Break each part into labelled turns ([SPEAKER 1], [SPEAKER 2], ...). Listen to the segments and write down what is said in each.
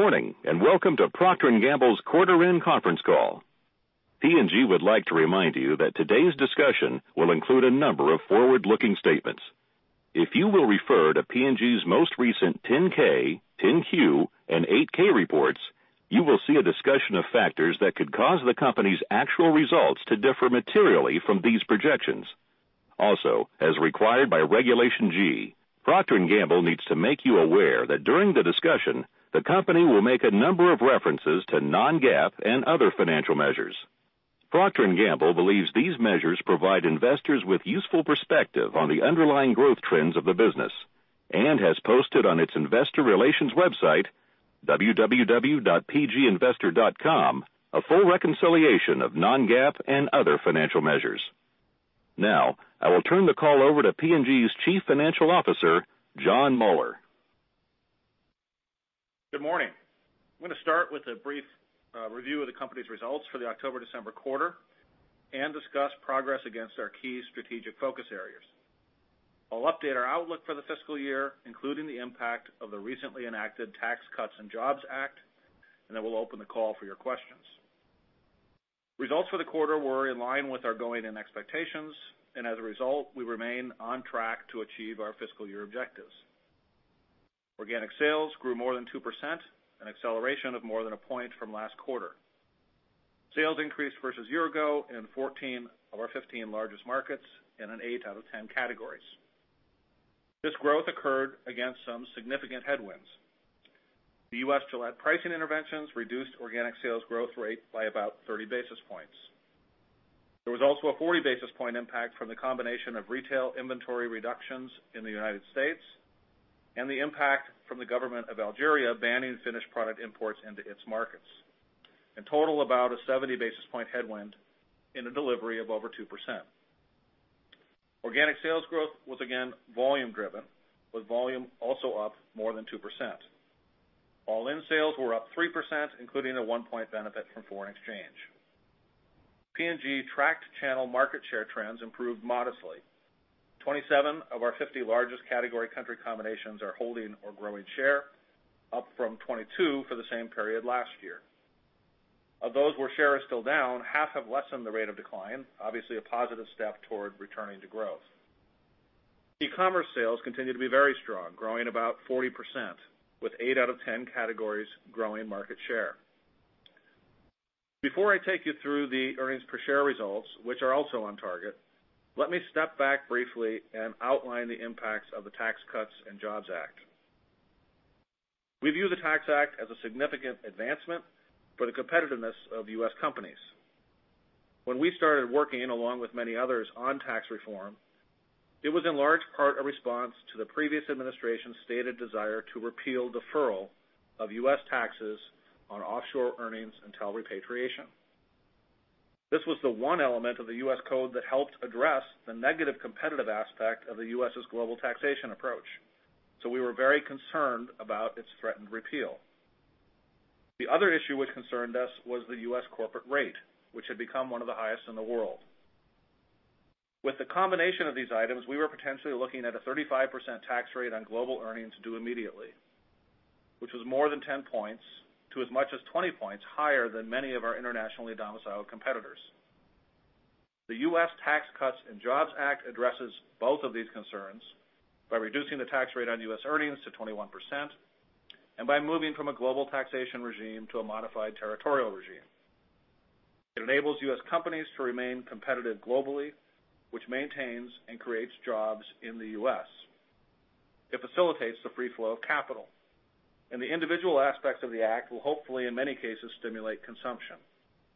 [SPEAKER 1] Good morning, welcome to Procter & Gamble's quarter end conference call. P&G would like to remind you that today's discussion will include a number of forward-looking statements. If you will refer to P&G's most recent 10-K, 10-Q, and 8-K reports, you will see a discussion of factors that could cause the company's actual results to differ materially from these projections. Also, as required by Regulation G, Procter & Gamble needs to make you aware that during the discussion, the company will make a number of references to non-GAAP and other financial measures. Procter & Gamble believes these measures provide investors with useful perspective on the underlying growth trends of the business, and has posted on its investor relations website, www.pginvestor.com, a full reconciliation of non-GAAP and other financial measures. I will turn the call over to P&G's Chief Financial Officer, Jon Moeller.
[SPEAKER 2] Good morning. I'm going to start with a brief review of the company's results for the October-December quarter and discuss progress against our key strategic focus areas. I'll update our outlook for the fiscal year, including the impact of the recently enacted Tax Cuts and Jobs Act, we'll open the call for your questions. Results for the quarter were in line with our going-in expectations, as a result, we remain on track to achieve our fiscal year objectives. Organic sales grew more than 2%, an acceleration of more than a point from last quarter. Sales increased versus year ago in 14 of our 15 largest markets in an 8 out of 10 categories. This growth occurred against some significant headwinds. The U.S. Gillette pricing interventions reduced organic sales growth rate by about 30 basis points. There was also a 40 basis point impact from the combination of retail inventory reductions in the U.S. and the impact from the government of Algeria banning finished product imports into its markets. In total, about a 70 basis point headwind in the delivery of over 2%. Organic sales growth was again volume driven, with volume also up more than 2%. All-in sales were up 3%, including a 1 point benefit from foreign exchange. P&G tracked channel market share trends improved modestly. 27 of our 50 largest category country combinations are holding or growing share, up from 22 for the same period last year. Of those where share is still down, half have lessened the rate of decline, obviously a positive step toward returning to growth. E-commerce sales continue to be very strong, growing about 40%, with 8 out of 10 categories growing market share. Before I take you through the earnings per share results, which are also on target, let me step back briefly and outline the impacts of the Tax Cuts and Jobs Act. We view the Tax Act as a significant advancement for the competitiveness of U.S. companies. When we started working along with many others on tax reform, it was in large part a response to the previous administration's stated desire to repeal deferral of U.S. taxes on offshore earnings until repatriation. This was the one element of the U.S. code that helped address the negative competitive aspect of the U.S.'s global taxation approach. We were very concerned about its threatened repeal. The other issue which concerned us was the U.S. corporate rate, which had become one of the highest in the world. With the combination of these items, we were potentially looking at a 35% tax rate on global earnings due immediately, which was more than 10 points to as much as 20 points higher than many of our internationally domiciled competitors. The U.S. Tax Cuts and Jobs Act addresses both of these concerns by reducing the tax rate on U.S. earnings to 21% and by moving from a global taxation regime to a modified territorial regime. It enables U.S. companies to remain competitive globally, which maintains and creates jobs in the U.S. The individual aspects of the Act will hopefully, in many cases, stimulate consumption.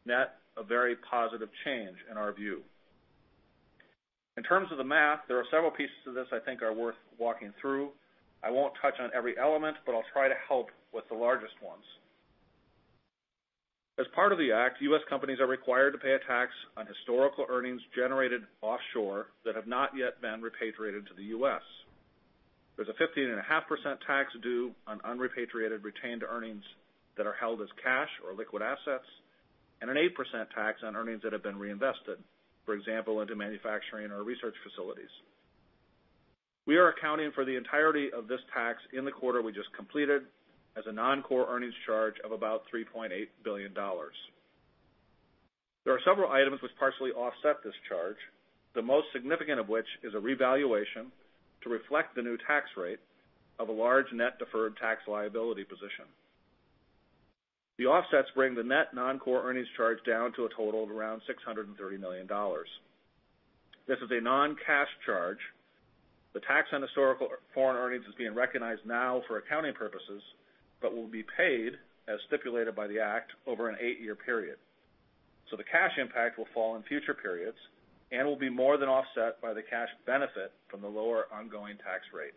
[SPEAKER 2] Net, a very positive change in our view. In terms of the math, there are several pieces to this I think are worth walking through. I won't touch on every element, but I'll try to help with the largest ones. As part of the Act, U.S. companies are required to pay a tax on historical earnings generated offshore that have not yet been repatriated to the U.S. There's a 15.5% tax due on unrepatriated retained earnings that are held as cash or liquid assets, and an 8% tax on earnings that have been reinvested, for example, into manufacturing or research facilities. We are accounting for the entirety of this tax in the quarter we just completed as a non-core earnings charge of about $3.8 billion. There are several items which partially offset this charge, the most significant of which is a revaluation to reflect the new tax rate of a large net deferred tax liability position. The offsets bring the net non-core earnings charge down to a total of around $630 million. This is a non-cash charge. The tax on historical foreign earnings is being recognized now for accounting purposes, but will be paid as stipulated by the Act over an eight-year period. The cash impact will fall in future periods and will be more than offset by the cash benefit from the lower ongoing tax rate.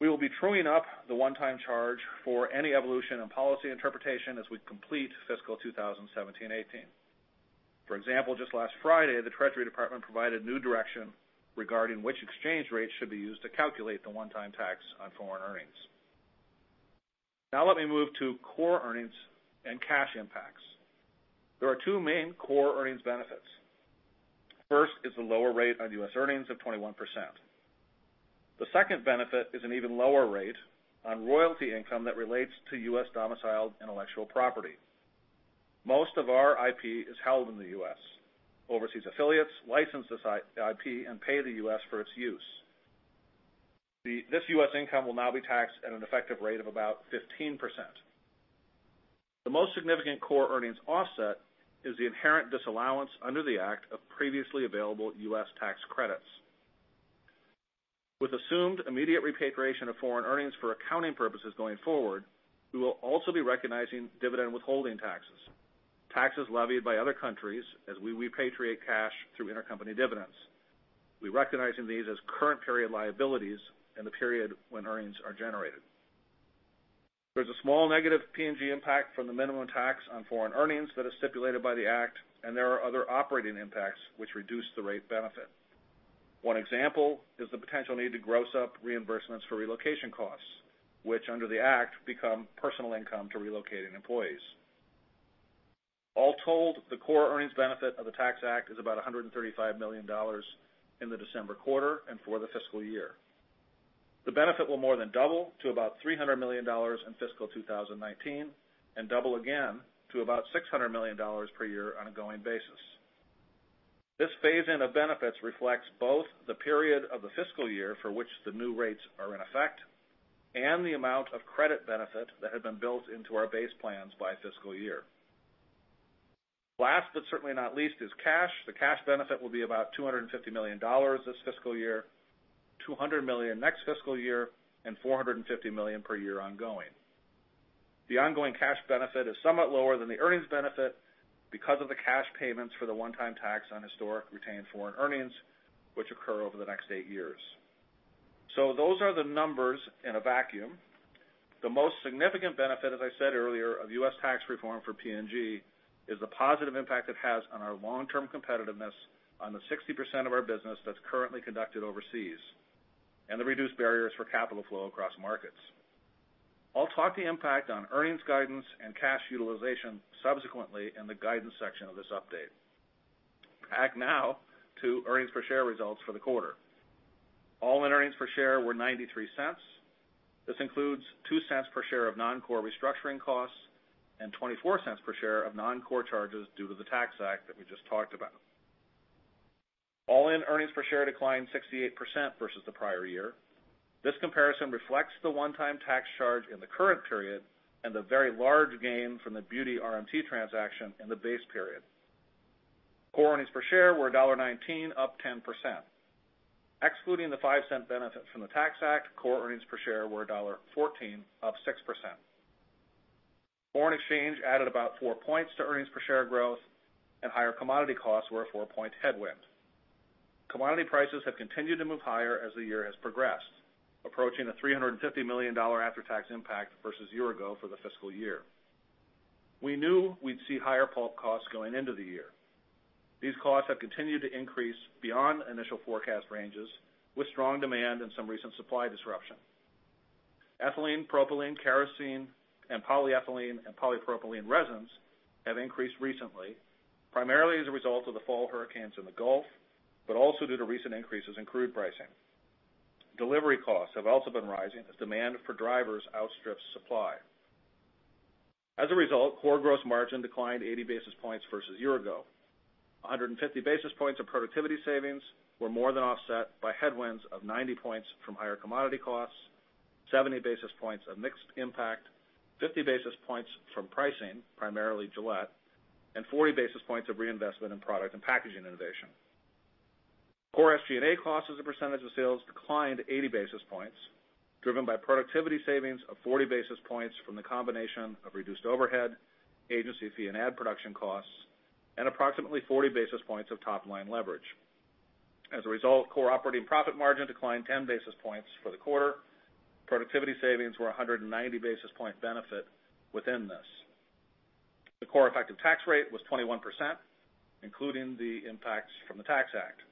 [SPEAKER 2] We will be truing up the one-time charge for any evolution in policy interpretation as we complete fiscal 2017-2018. For example, just last Friday, the Treasury Department provided new direction regarding which exchange rate should be used to calculate the one-time tax on foreign earnings. Now let me move to core earnings and cash impacts. There are two main core earnings benefits. First is the lower rate on U.S. earnings of 21%. The second benefit is an even lower rate on royalty income that relates to U.S.-domiciled intellectual property. Most of our IP is held in the U.S. Overseas affiliates license this IP and pay the U.S. for its use. This U.S. income will now be taxed at an effective rate of about 15%. The most significant core earnings offset is the inherent disallowance under the Act of previously available U.S. tax credits. With assumed immediate repatriation of foreign earnings for accounting purposes going forward, we will also be recognizing dividend withholding taxes levied by other countries as we repatriate cash through intercompany dividends. We're recognizing these as current period liabilities in the period when earnings are generated. There's a small negative P&G impact from the minimum tax on foreign earnings that is stipulated by the Act, and there are other operating impacts which reduce the rate benefit. One example is the potential need to gross up reimbursements for relocation costs, which under the Act become personal income to relocating employees. All told, the core earnings benefit of the Tax Act is about $135 million in the December quarter and for the fiscal year. The benefit will more than double to about $300 million in fiscal 2019 and double again to about $600 million per year on a going basis. This phase-in of benefits reflects both the period of the fiscal year for which the new rates are in effect and the amount of credit benefit that had been built into our base plans by fiscal year. Last, certainly not least, is cash. The cash benefit will be about $250 million this fiscal year, $200 million next fiscal year, and $450 million per year ongoing. The ongoing cash benefit is somewhat lower than the earnings benefit because of the cash payments for the one-time tax on historic retained foreign earnings, which occur over the next eight years. Those are the numbers in a vacuum. The most significant benefit, as I said earlier, of U.S. tax reform for P&G, is the positive impact it has on our long-term competitiveness on the 60% of our business that's currently conducted overseas, and the reduced barriers for capital flow across markets. I'll talk the impact on earnings guidance and cash utilization subsequently in the guidance section of this update. Back now to earnings per share results for the quarter. All-in earnings per share were $0.93. This includes $0.02 per share of non-core restructuring costs and $0.24 per share of non-core charges due to the Tax Act that we just talked about. All-in earnings per share declined 68% versus the prior year. This comparison reflects the one-time tax charge in the current period and the very large gain from the Beauty RMT transaction in the base period. Core earnings per share were $1.19, up 10%. Excluding the $0.05 benefit from the Tax Act, core earnings per share were $1.14, up 6%. Foreign exchange added about four points to earnings per share growth, and higher commodity costs were a four-point headwind. Commodity prices have continued to move higher as the year has progressed, approaching a $350 million after-tax impact versus year ago for the fiscal year. We knew we'd see higher pulp costs going into the year. These costs have continued to increase beyond initial forecast ranges with strong demand and some recent supply disruption. Ethylene, propylene, kerosene, and polyethylene and polypropylene resins have increased recently, primarily as a result of the fall hurricanes in the Gulf, also due to recent increases in crude pricing. Delivery costs have also been rising as demand for drivers outstrips supply. As a result, core gross margin declined 80 basis points versus year ago. 150 basis points of productivity savings were more than offset by headwinds of 90 points from higher commodity costs, 70 basis points of mixed impact, 50 basis points from pricing, primarily Gillette, and 40 basis points of reinvestment in product and packaging innovation. Core SG&A costs as a percentage of sales declined 80 basis points, driven by productivity savings of 40 basis points from the combination of reduced overhead, agency fee, and ad production costs, and approximately 40 basis points of top-line leverage. As a result, core operating profit margin declined 10 basis points for the quarter. Productivity savings were 190 basis point benefit within this. The core effective tax rate was 21%, including the impacts from the Tax Act.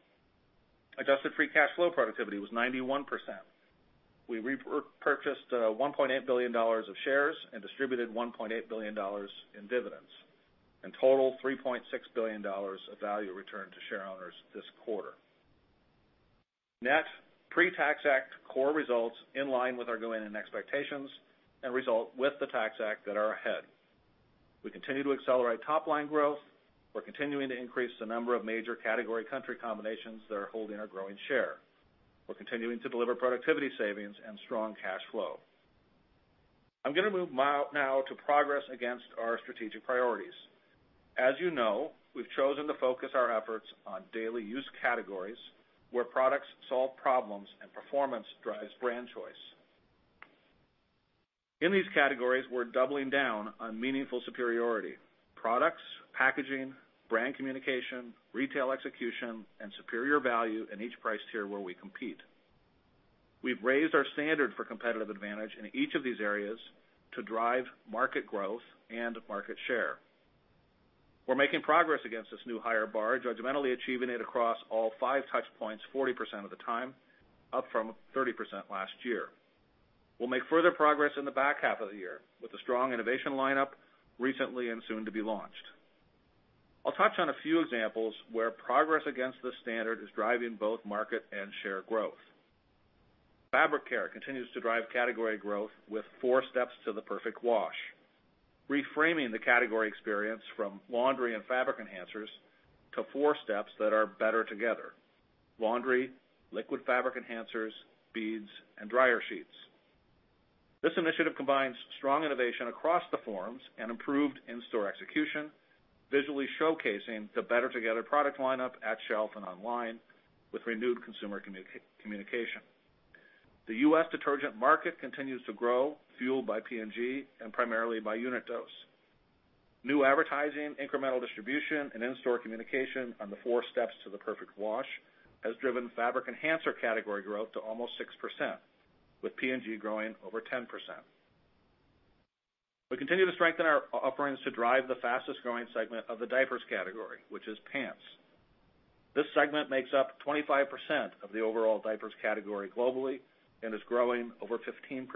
[SPEAKER 2] Adjusted free cash flow productivity was 91%. We repurchased $1.8 billion of shares and distributed $1.8 billion in dividends, in total, $3.6 billion of value returned to shareowners this quarter. Net pre-Tax Act core results in line with our go-in expectations and results with the Tax Act that are ahead. We continue to accelerate top-line growth. We're continuing to increase the number of major category country combinations that are holding or growing share. We're continuing to deliver productivity savings and strong cash flow. I'm going to move now to progress against our strategic priorities. As you know, we've chosen to focus our efforts on daily use categories where products solve problems and performance drives brand choice. In these categories, we're doubling down on meaningful superiority, products, packaging, brand communication, retail execution, and superior value in each price tier where we compete. We've raised our standard for competitive advantage in each of these areas to drive market growth and market share. We're making progress against this new higher bar, judgmentally achieving it across all five touch points 40% of the time, up from 30% last year. We'll make further progress in the back half of the year with a strong innovation lineup recently and soon to be launched. I'll touch on a few examples where progress against this standard is driving both market and share growth. Fabric care continues to drive category growth with four steps to the perfect wash, reframing the category experience from laundry and fabric enhancers to four steps that are better together. Laundry, liquid fabric enhancers, beads, and dryer sheets. This initiative combines strong innovation across the forums and improved in-store execution, visually showcasing the better together product lineup at shelf and online with renewed consumer communication. The U.S. detergent market continues to grow, fueled by P&G, and primarily by unit dose. New advertising, incremental distribution, and in-store communication on the four steps to the perfect wash has driven fabric enhancer category growth to almost 6%, with P&G growing over 10%. We continue to strengthen our offerings to drive the fastest-growing segment of the diapers category, which is pants. This segment makes up 25% of the overall diapers category globally and is growing over 15%.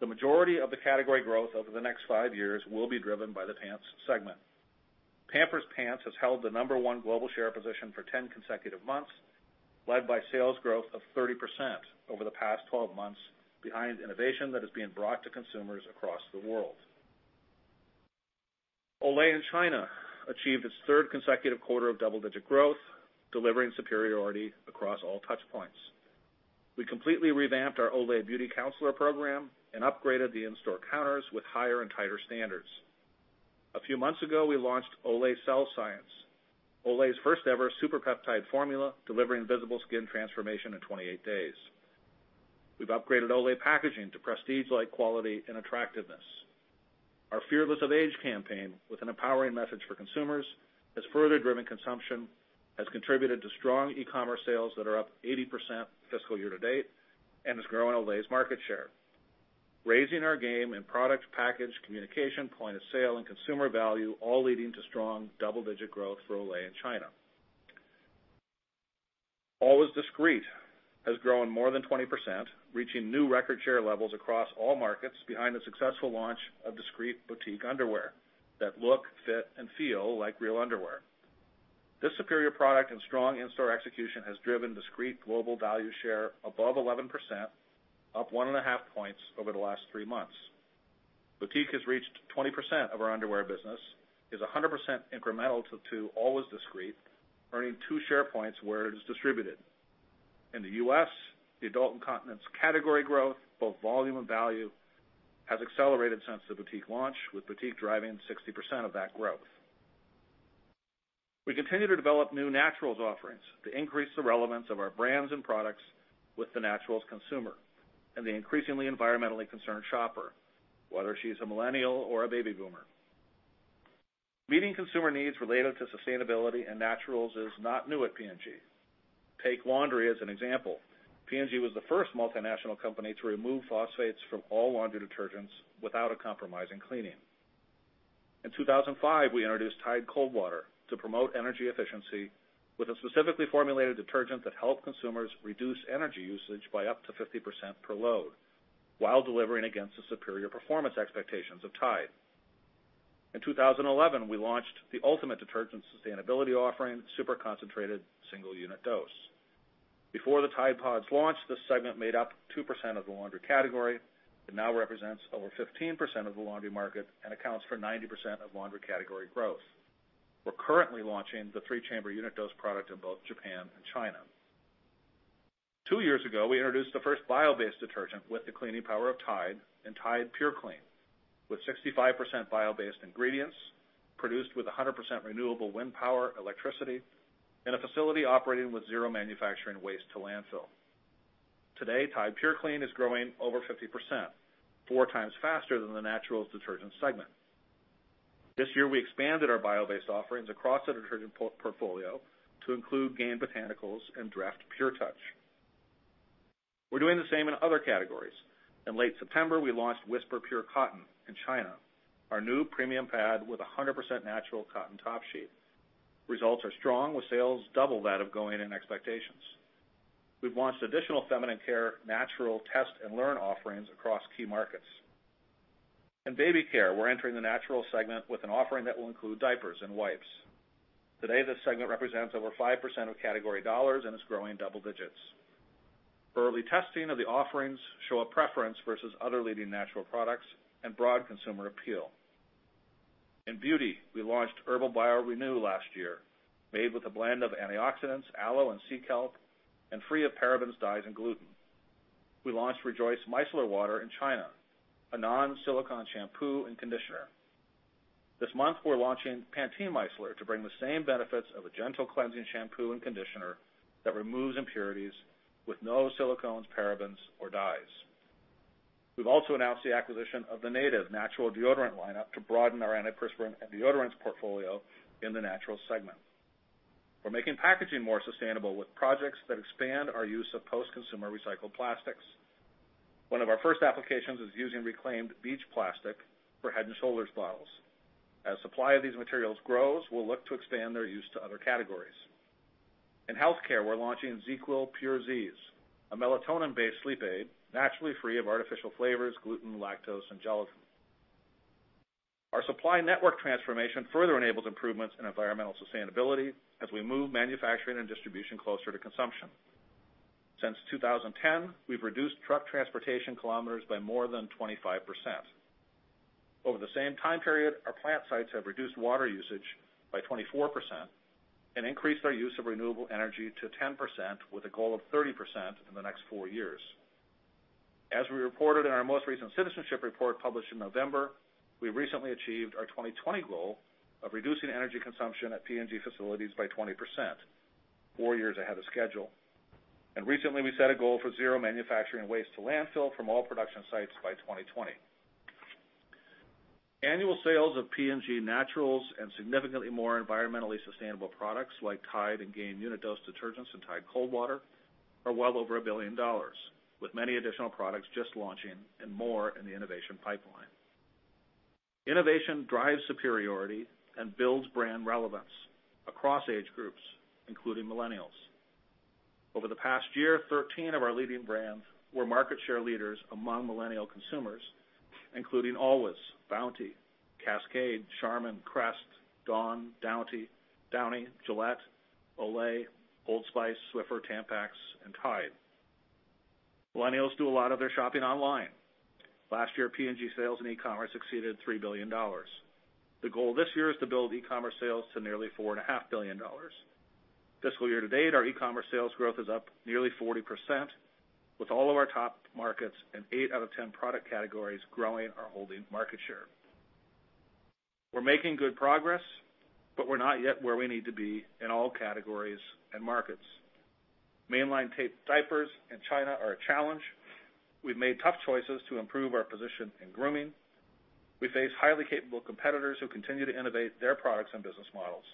[SPEAKER 2] The majority of the category growth over the next five years will be driven by the pants segment. Pampers pants has held the number one global share position for 10 consecutive months, led by sales growth of 30% over the past 12 months behind innovation that is being brought to consumers across the world. Olay in China achieved its third consecutive quarter of double-digit growth, delivering superiority across all touchpoints. We completely revamped our Olay Beauty Counselor program and upgraded the in-store counters with higher and tighter standards. A few months ago, we launched Olay Body Cellscience, Olay's first ever super peptide formula delivering visible skin transformation in 28 days. We've upgraded Olay packaging to prestige-like quality and attractiveness. Our Fearless of Age campaign, with an empowering message for consumers, has further driven consumption, has contributed to strong e-commerce sales that are up 80% fiscal year to date, and is growing Olay's market share. Raising our game in product, package, communication, point of sale, and consumer value, all leading to strong double-digit growth for Olay in China. Always Discreet has grown more than 20%, reaching new record share levels across all markets behind the successful launch of Discreet Boutique underwear that look, fit, and feel like real underwear. This superior product and strong in-store execution has driven Discreet global value share above 11%, up one and a half points over the last three months. Boutique has reached 20% of our underwear business, is 100% incremental to Always Discreet, earning two share points where it is distributed. In the U.S., the adult incontinence category growth, both volume and value, has accelerated since the Boutique launch, with Boutique driving 60% of that growth. We continue to develop new naturals offerings to increase the relevance of our brands and products with the naturals consumer and the increasingly environmentally concerned shopper, whether she's a millennial or a baby boomer. Meeting consumer needs related to sustainability and naturals is not new at P&G. Take laundry as an example. P&G was the first multinational company to remove phosphates from all laundry detergents without a compromise in cleaning. In 2005, we introduced Tide Coldwater to promote energy efficiency with a specifically formulated detergent that helped consumers reduce energy usage by up to 50% per load while delivering against the superior performance expectations of Tide. In 2011, we launched the ultimate detergent sustainability offering, super concentrated single unit dose. Before the Tide PODS launch, this segment made up 2% of the laundry category. It now represents over 15% of the laundry market and accounts for 90% of laundry category growth. We're currently launching the three-chamber unit dose product in both Japan and China. Two years ago, we introduced the first bio-based detergent with the cleaning power of Tide in Tide Purclean, with 65% bio-based ingredients, produced with 100% renewable wind power electricity in a facility operating with zero manufacturing waste to landfill. Today, Tide Purclean is growing over 50%, four times faster than the naturals detergent segment. This year, we expanded our bio-based offerings across the detergent portfolio to include Gain Botanicals and Dreft purtouch. We're doing the same in other categories. In late September, we launched Whisper Pure Cotton in China, our new premium pad with 100% natural cotton top sheet. Results are strong with sales double that of go in expectations. We've launched additional feminine care natural test and learn offerings across key markets. In baby care, we're entering the natural segment with an offering that will include diapers and wipes. Today, this segment represents over 5% of category dollars and is growing double digits. Early testing of the offerings show a preference versus other leading natural products and broad consumer appeal. In beauty, we launched Herbal bio:renew last year, made with a blend of antioxidants, aloe, and sea kelp, and free of parabens, dyes, and gluten. We launched Rejoice Micellar Water in China, a non-silicon shampoo and conditioner. This month, we're launching Pantene Micellar to bring the same benefits of a gentle cleansing shampoo and conditioner that removes impurities with no silicones, parabens, or dyes. We've also announced the acquisition of the Native natural deodorant lineup to broaden our antiperspirant and deodorants portfolio in the natural segment. We're making packaging more sustainable with projects that expand our use of post-consumer recycled plastics. One of our first applications is using reclaimed beach plastic for Head & Shoulders bottles. As supply of these materials grows, we'll look to expand their use to other categories. In healthcare, we're launching ZzzQuil PURE Zzzs, a melatonin-based sleep aid naturally free of artificial flavors, gluten, lactose, and gelatin. Our supply network transformation further enables improvements in environmental sustainability as we move manufacturing and distribution closer to consumption. Since 2010, we've reduced truck transportation kilometers by more than 25%. Over the same time period, our plant sites have reduced water usage by 24% and increased our use of renewable energy to 10% with a goal of 30% in the next four years. As we reported in our most recent citizenship report published in November, we recently achieved our 2020 goal of reducing energy consumption at P&G facilities by 20%, four years ahead of schedule. Recently, we set a goal for zero manufacturing waste to landfill from all production sites by 2020. Annual sales of P&G Naturals and significantly more environmentally sustainable products like Tide and Gain unit dose detergents and Tide Coldwater are well over $1 billion, with many additional products just launching and more in the innovation pipeline. Innovation drives superiority and builds brand relevance across age groups, including millennials. Over the past year, 13 of our leading brands were market share leaders among millennial consumers, including Always, Bounty, Cascade, Charmin, Crest, Dawn, Downy, Gillette, Olay, Old Spice, Swiffer, Tampax, and Tide. Millennials do a lot of their shopping online. Last year, P&G sales in e-commerce exceeded $3 billion. The goal this year is to build e-commerce sales to nearly $4.5 billion. Fiscal year to date, our e-commerce sales growth is up nearly 40%, with all of our top markets and eight out of 10 product categories growing or holding market share. We're making good progress, but we're not yet where we need to be in all categories and markets. Mainline tape diapers in China are a challenge. We've made tough choices to improve our position in grooming. We face highly capable competitors who continue to innovate their products and business models.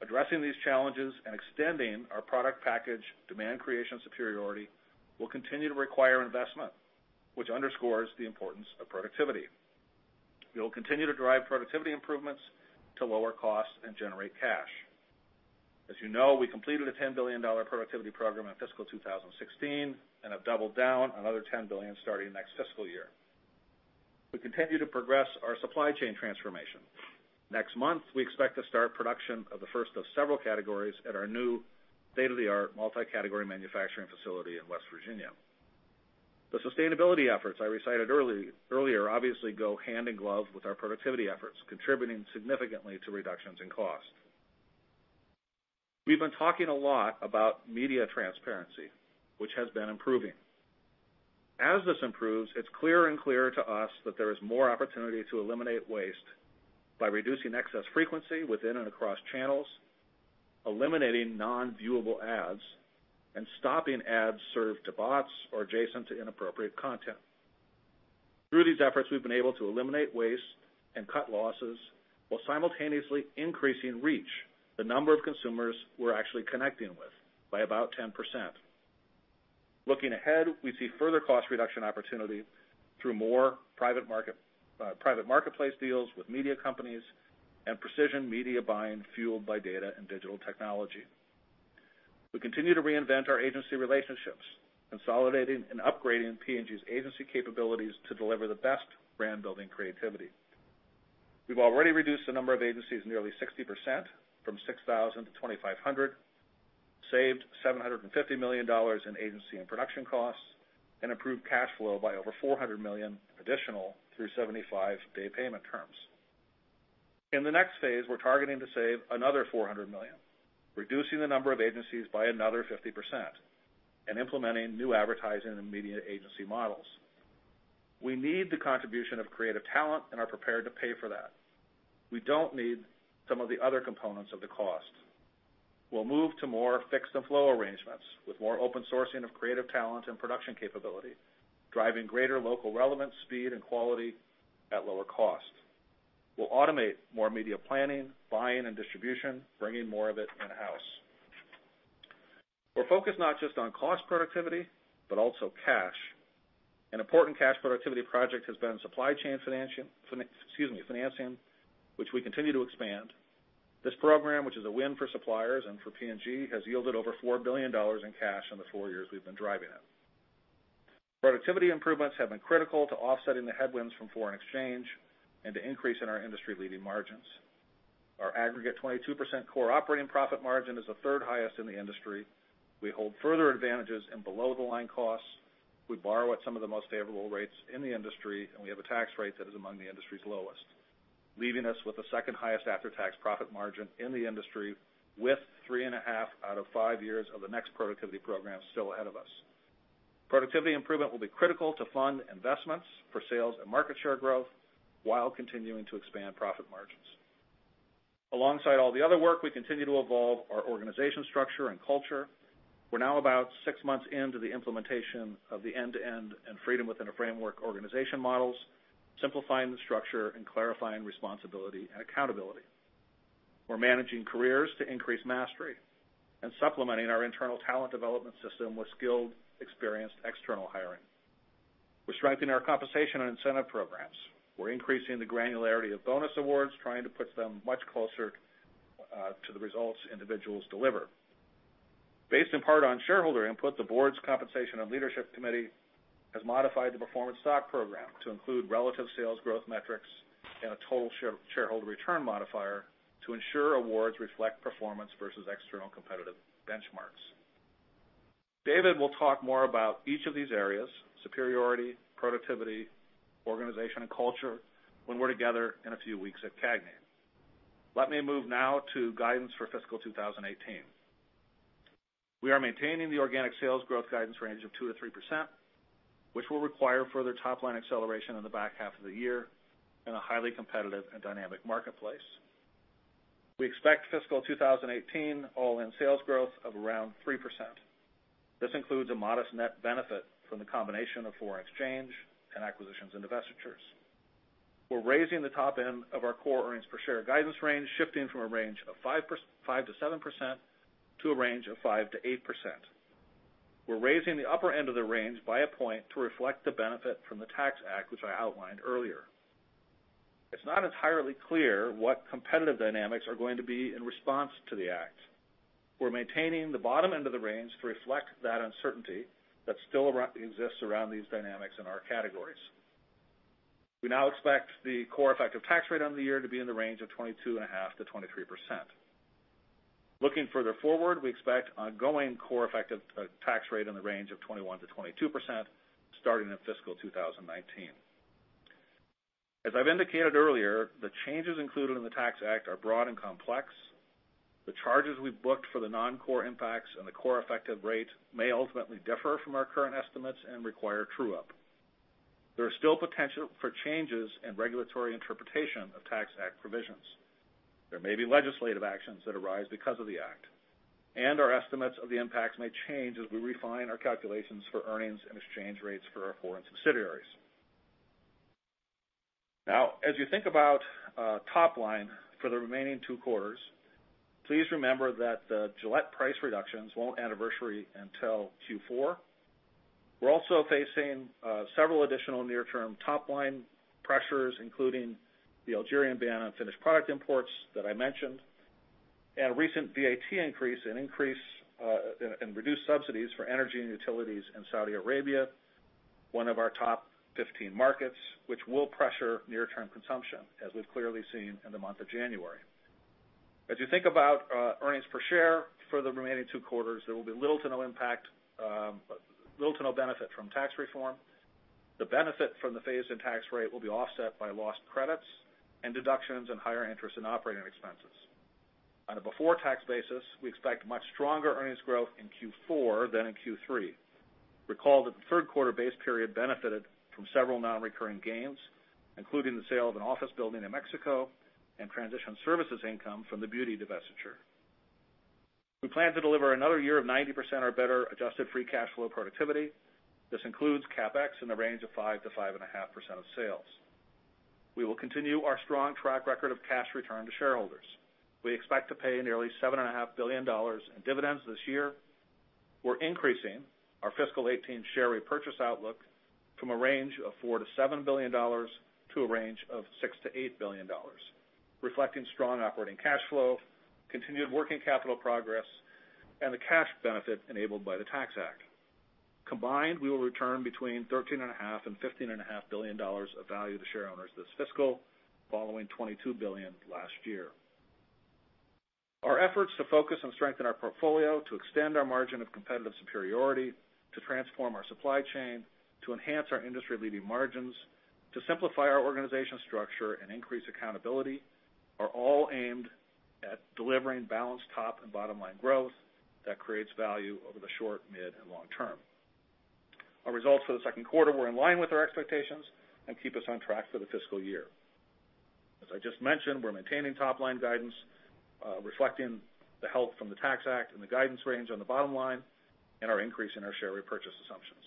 [SPEAKER 2] Addressing these challenges and extending our product package demand creation superiority will continue to require investment, which underscores the importance of productivity. We will continue to drive productivity improvements to lower costs and generate cash. As you know, we completed a $10 billion productivity program in fiscal 2016 and have doubled down another $10 billion starting next fiscal year. We continue to progress our supply chain transformation. Next month, we expect to start production of the first of several categories at our new state-of-the-art multi-category manufacturing facility in West Virginia. The sustainability efforts I recited earlier obviously go hand in glove with our productivity efforts, contributing significantly to reductions in cost. We've been talking a lot about media transparency, which has been improving. As this improves, it's clearer and clearer to us that there is more opportunity to eliminate waste by reducing excess frequency within and across channels, eliminating non-viewable ads, and stopping ads served to bots or adjacent to inappropriate content. Through these efforts, we've been able to eliminate waste and cut losses while simultaneously increasing reach, the number of consumers we're actually connecting with, by about 10%. Looking ahead, we see further cost reduction opportunity through more private marketplace deals with media companies and precision media buying fueled by data and digital technology. We continue to reinvent our agency relationships, consolidating and upgrading P&G's agency capabilities to deliver the best brand-building creativity. We've already reduced the number of agencies nearly 60%, from 6,000 to 2,500, saved $750 million in agency and production costs, and improved cash flow by over $400 million additional through 75-day payment terms. In the next phase, we're targeting to save another $400 million, reducing the number of agencies by another 50%, and implementing new advertising and media agency models. We need the contribution of creative talent and are prepared to pay for that. We don't need some of the other components of the cost. We'll move to more fixed and flow arrangements with more open sourcing of creative talent and production capability, driving greater local relevance, speed, and quality at lower cost. We'll automate more media planning, buying, and distribution, bringing more of it in-house. We're focused not just on cost productivity, but also cash. An important cash productivity project has been supply chain financing, which we continue to expand. This program, which is a win for suppliers and for P&G, has yielded over $4 billion in cash in the four years we've been driving it. Productivity improvements have been critical to offsetting the headwinds from foreign exchange and to increase in our industry-leading margins. Our aggregate 22% core operating profit margin is the third highest in the industry. We hold further advantages in below-the-line costs. We borrow at some of the most favorable rates in the industry, and we have a tax rate that is among the industry's lowest, leaving us with the second highest after-tax profit margin in the industry with three and a half out of five years of the next productivity program still ahead of us. Productivity improvement will be critical to fund investments for sales and market share growth while continuing to expand profit margins. Alongside all the other work, we continue to evolve our organization structure and culture. We're now about six months into the implementation of the end-to-end and freedom within a framework organization models, simplifying the structure and clarifying responsibility and accountability. We're managing careers to increase mastery and supplementing our internal talent development system with skilled, experienced external hiring. We're strengthening our compensation and incentive programs. We're increasing the granularity of bonus awards, trying to put them much closer to the results individuals deliver. Based in part on shareholder input, the board's compensation and leadership committee has modified the performance stock program to include relative sales growth metrics and a total shareholder return modifier to ensure awards reflect performance versus external competitive benchmarks. David will talk more about each of these areas, superiority, productivity, organization, and culture, when we're together in a few weeks at CAGNY. Let me move now to guidance for fiscal 2018. We are maintaining the organic sales growth guidance range of 2% to 3%, which will require further top-line acceleration in the back half of the year in a highly competitive and dynamic marketplace. We expect fiscal 2018 all-in sales growth of around 3%. This includes a modest net benefit from the combination of foreign exchange and acquisitions and divestitures. We're raising the top end of our core earnings per share guidance range, shifting from a range of 5%-7% to a range of 5%-8%. We're raising the upper end of the range by a point to reflect the benefit from the Tax Act, which I outlined earlier. It's not entirely clear what competitive dynamics are going to be in response to the Act. We're maintaining the bottom end of the range to reflect that uncertainty that still exists around these dynamics in our categories. We now expect the core effective tax rate on the year to be in the range of 22.5%-23%. Looking further forward, we expect ongoing core effective tax rate in the range of 21%-22% starting in fiscal 2019. As I've indicated earlier, the changes included in the Tax Act are broad and complex. The charges we've booked for the non-core impacts and the core effective rate may ultimately differ from our current estimates and require true-up. There is still potential for changes in regulatory interpretation of Tax Act provisions. There may be legislative actions that arise because of the Act, and our estimates of the impacts may change as we refine our calculations for earnings and exchange rates for our foreign subsidiaries. As you think about top line for the remaining two quarters, please remember that the Gillette price reductions won't anniversary until Q4. We're also facing several additional near-term top-line pressures, including the Algerian ban on finished product imports that I mentioned, and a recent VAT increase and reduced subsidies for energy and utilities in Saudi Arabia, one of our top 15 markets, which will pressure near-term consumption, as we've clearly seen in the month of January. As you think about earnings per share for the remaining two quarters, there will be little to no benefit from tax reform. The benefit from the phased-in tax rate will be offset by lost credits and deductions and higher interest in operating expenses. On a before-tax basis, we expect much stronger earnings growth in Q4 than in Q3. Recall that the third quarter base period benefited from several non-recurring gains, including the sale of an office building in Mexico and transition services income from the beauty divestiture. We plan to deliver another year of 90% or better adjusted free cash flow productivity. This includes CapEx in the range of 5%-5.5% of sales. We will continue our strong track record of cash return to shareholders. We expect to pay nearly $7.5 billion in dividends this year. We're increasing our fiscal 2018 share repurchase outlook from a range of $4 billion-$7 billion to a range of $6 billion-$8 billion, reflecting strong operating cash flow, continued working capital progress, and the cash benefit enabled by the Tax Act. Combined, we will return between $13.5 billion and $15.5 billion of value to shareholders this fiscal, following $22 billion last year. Our efforts to focus and strengthen our portfolio, to extend our margin of competitive superiority, to transform our supply chain, to enhance our industry-leading margins, to simplify our organization structure and increase accountability are all aimed at delivering balanced top and bottom-line growth that creates value over the short, mid, and long term. Our results for the second quarter were in line with our expectations and keep us on track for the fiscal year. As I just mentioned, we're maintaining top-line guidance, reflecting the help from the Tax Act and the guidance range on the bottom line and our increase in our share repurchase assumptions.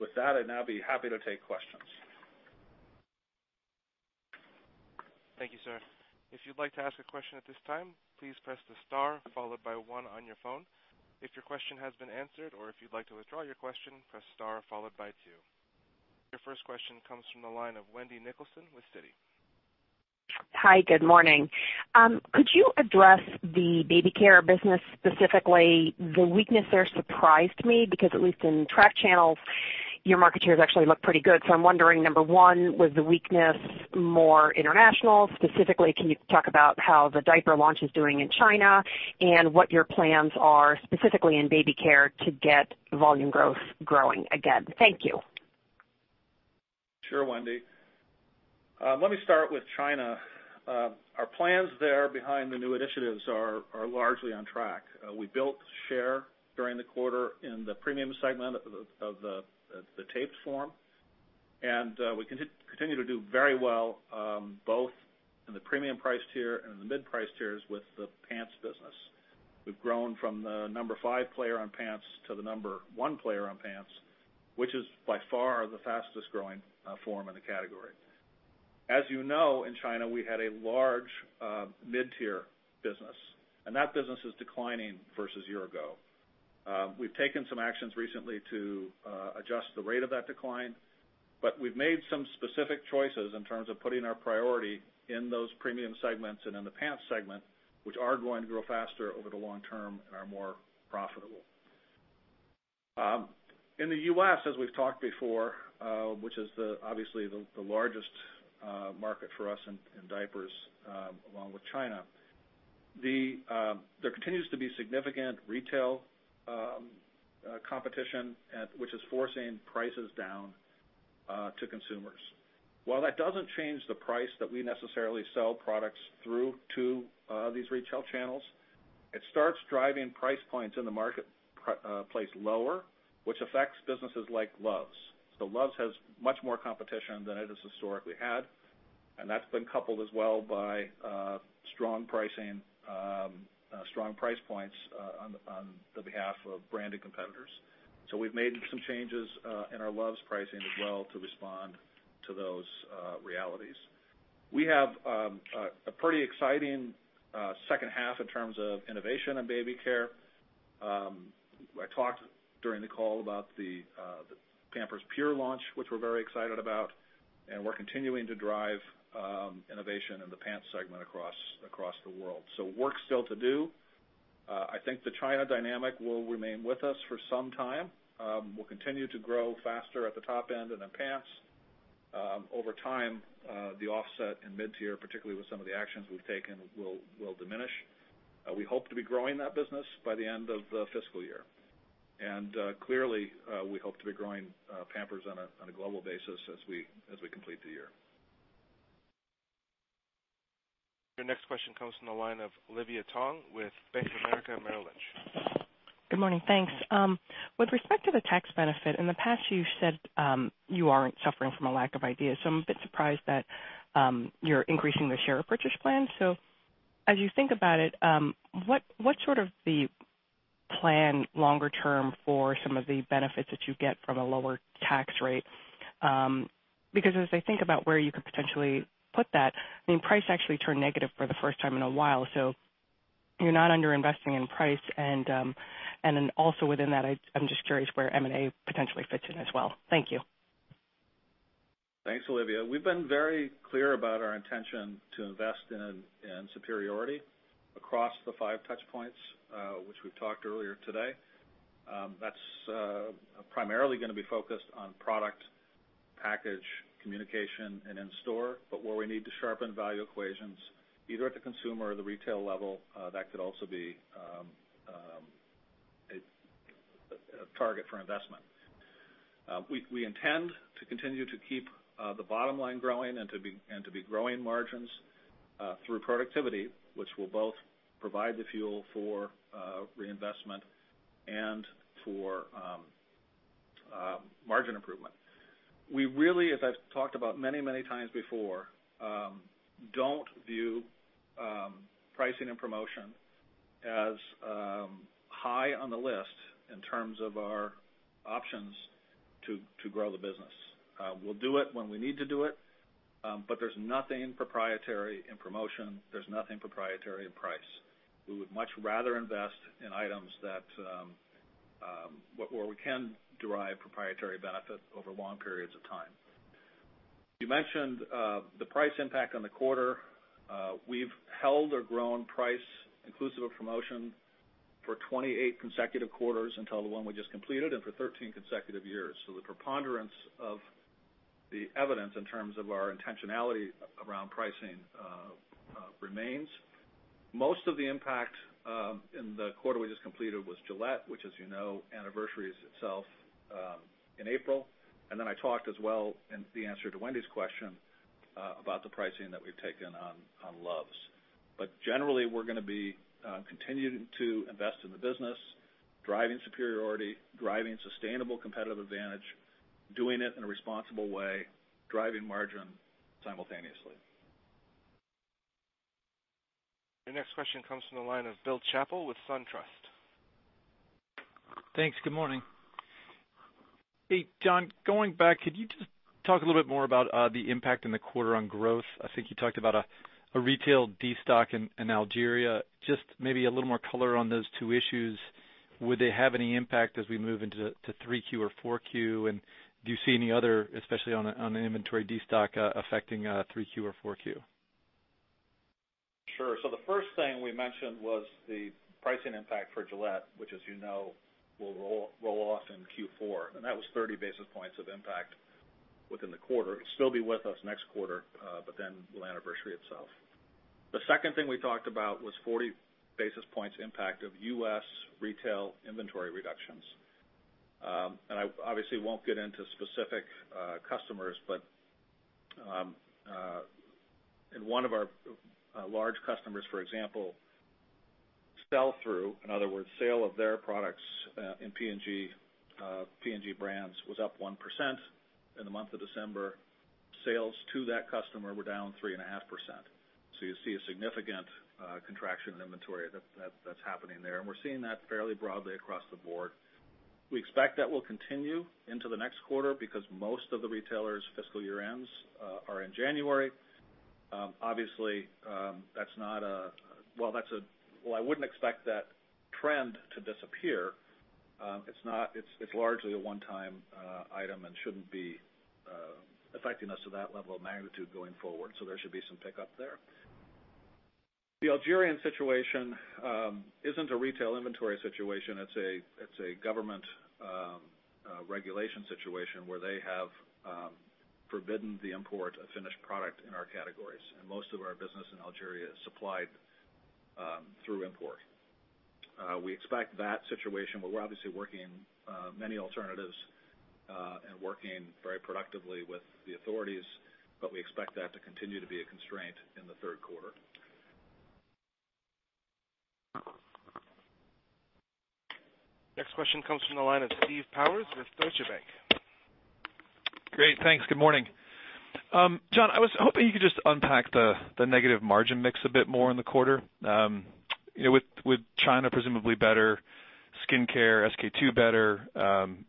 [SPEAKER 2] With that, I'd now be happy to take questions.
[SPEAKER 1] Thank you, sir. If you'd like to ask a question at this time, please press the star followed by one on your phone. If your question has been answered or if you'd like to withdraw your question, press star followed by two. Your first question comes from the line of Wendy Nicholson with Citi.
[SPEAKER 3] Hi. Good morning. Could you address the baby care business specifically? The weakness there surprised me because at least in track channels, your market shares actually look pretty good. I'm wondering, number 1, was the weakness more international? Specifically, can you talk about how the diaper launch is doing in China and what your plans are specifically in baby care to get volume growth growing again? Thank you.
[SPEAKER 2] Sure, Wendy. Let me start with China. Our plans there behind the new initiatives are largely on track. We built share during the quarter in the premium segment of the taped form, and we continue to do very well both in the premium price tier and in the mid-price tiers with the pants business. We've grown from the number 5 player on pants to the number 1 player on pants, which is by far the fastest-growing form in the category. As you know, in China, we had a large mid-tier business, and that business is declining versus a year ago. We've taken some actions recently to adjust the rate of that decline, but we've made some specific choices in terms of putting our priority in those premium segments and in the pants segment, which are going to grow faster over the long term and are more profitable. In the U.S., as we've talked before, which is obviously the largest market for us in diapers, along with China, there continues to be significant retail competition, which is forcing prices down to consumers. While that doesn't change the price that we necessarily sell products through to these retail channels, it starts driving price points in the marketplace lower, which affects businesses like Luvs. Luvs has much more competition than it has historically had, and that's been coupled as well by strong price points on the behalf of branded competitors. We've made some changes in our Luvs pricing as well to respond to those realities. We have a pretty exciting second half in terms of innovation in baby care. I talked during the call about the Pampers Pure launch, which we're very excited about, and we're continuing to drive innovation in the pants segment across the world. Work's still to do. I think the China dynamic will remain with us for some time. We'll continue to grow faster at the top end and in pants. Over time, the offset in mid-tier, particularly with some of the actions we've taken, will diminish. We hope to be growing that business by the end of the fiscal year. Clearly, we hope to be growing Pampers on a global basis as we complete the year.
[SPEAKER 1] Your next question comes from the line of Olivia Tong with Bank of America Merrill Lynch.
[SPEAKER 4] Good morning. Thanks. With respect to the tax benefit, in the past, you said you aren't suffering from a lack of ideas, so I'm a bit surprised that you're increasing the share purchase plan. As you think about it, what's sort of the plan longer term for some of the benefits that you get from a lower tax rate? Because as I think about where you could potentially put that, price actually turned negative for the first time in a while, so you're not under-investing in price. Then also within that, I'm just curious where M&A potentially fits in as well. Thank you.
[SPEAKER 2] Thanks, Olivia. We've been very clear about our intention to invest in superiority across the five touch points which we've talked earlier today. That's primarily going to be focused on product, package, communication, and in store. Where we need to sharpen value equations, either at the consumer or the retail level, that could also be a target for investment. We intend to continue to keep the bottom line growing and to be growing margins through productivity, which will both provide the fuel for reinvestment and for margin improvement. We really, as I've talked about many times before, don't view pricing and promotion as high on the list in terms of our options to grow the business. We'll do it when we need to do it, but there's nothing proprietary in promotion. There's nothing proprietary in price. We would much rather invest in items where we can derive proprietary benefit over long periods of time. You mentioned the price impact on the quarter. We've held or grown price inclusive of promotion for 28 consecutive quarters until the one we just completed, and for 13 consecutive years. The preponderance of the evidence in terms of our intentionality around pricing remains. Most of the impact in the quarter we just completed was Gillette, which as you know, anniversaries itself in April. Then I talked as well in the answer to Wendy's question about the pricing that we've taken on Luvs. Generally, we're going to be continuing to invest in the business, driving superiority, driving sustainable competitive advantage, doing it in a responsible way, driving margin simultaneously.
[SPEAKER 1] Your next question comes from the line of Bill Chappell with SunTrust.
[SPEAKER 5] Thanks. Good morning. Hey, Jon, going back, could you just talk a little bit more about the impact in the quarter on growth? I think you talked about a retail destock in Algeria. Just maybe a little more color on those two issues. Would they have any impact as we move into 3Q or 4Q? Do you see any other, especially on the inventory destock, affecting 3Q or 4Q?
[SPEAKER 2] Sure. The first thing we mentioned was the pricing impact for Gillette, which as you know, will roll off in Q4. That was 30 basis points of impact within the quarter. It will still be with us next quarter, but will anniversary itself. The second thing we talked about was 40 basis points impact of U.S. retail inventory reductions. I obviously won't get into specific customers, but in one of our large customers, for example, sell-through, in other words, sale of their products in P&G brands was up 1% in the month of December. Sales to that customer were down 3.5%. You see a significant contraction in inventory that's happening there. We're seeing that fairly broadly across the board. We expect that will continue into the next quarter because most of the retailers' fiscal year ends are in January. Obviously, I wouldn't expect that trend to disappear. It's largely a one-time item and shouldn't be affecting us to that level of magnitude going forward. There should be some pickup there. The Algerian situation isn't a retail inventory situation. It's a government regulation situation where they have forbidden the import of finished product in our categories, and most of our business in Algeria is supplied through import. We expect that situation, where we're obviously working many alternatives, and working very productively with the authorities, but we expect that to continue to be a constraint in the third quarter.
[SPEAKER 1] Next question comes from the line of Steve Powers with Deutsche Bank.
[SPEAKER 6] Great. Thanks. Good morning. Jon, I was hoping you could just unpack the negative margin mix a bit more in the quarter. With China presumably better, skincare, SK-II better,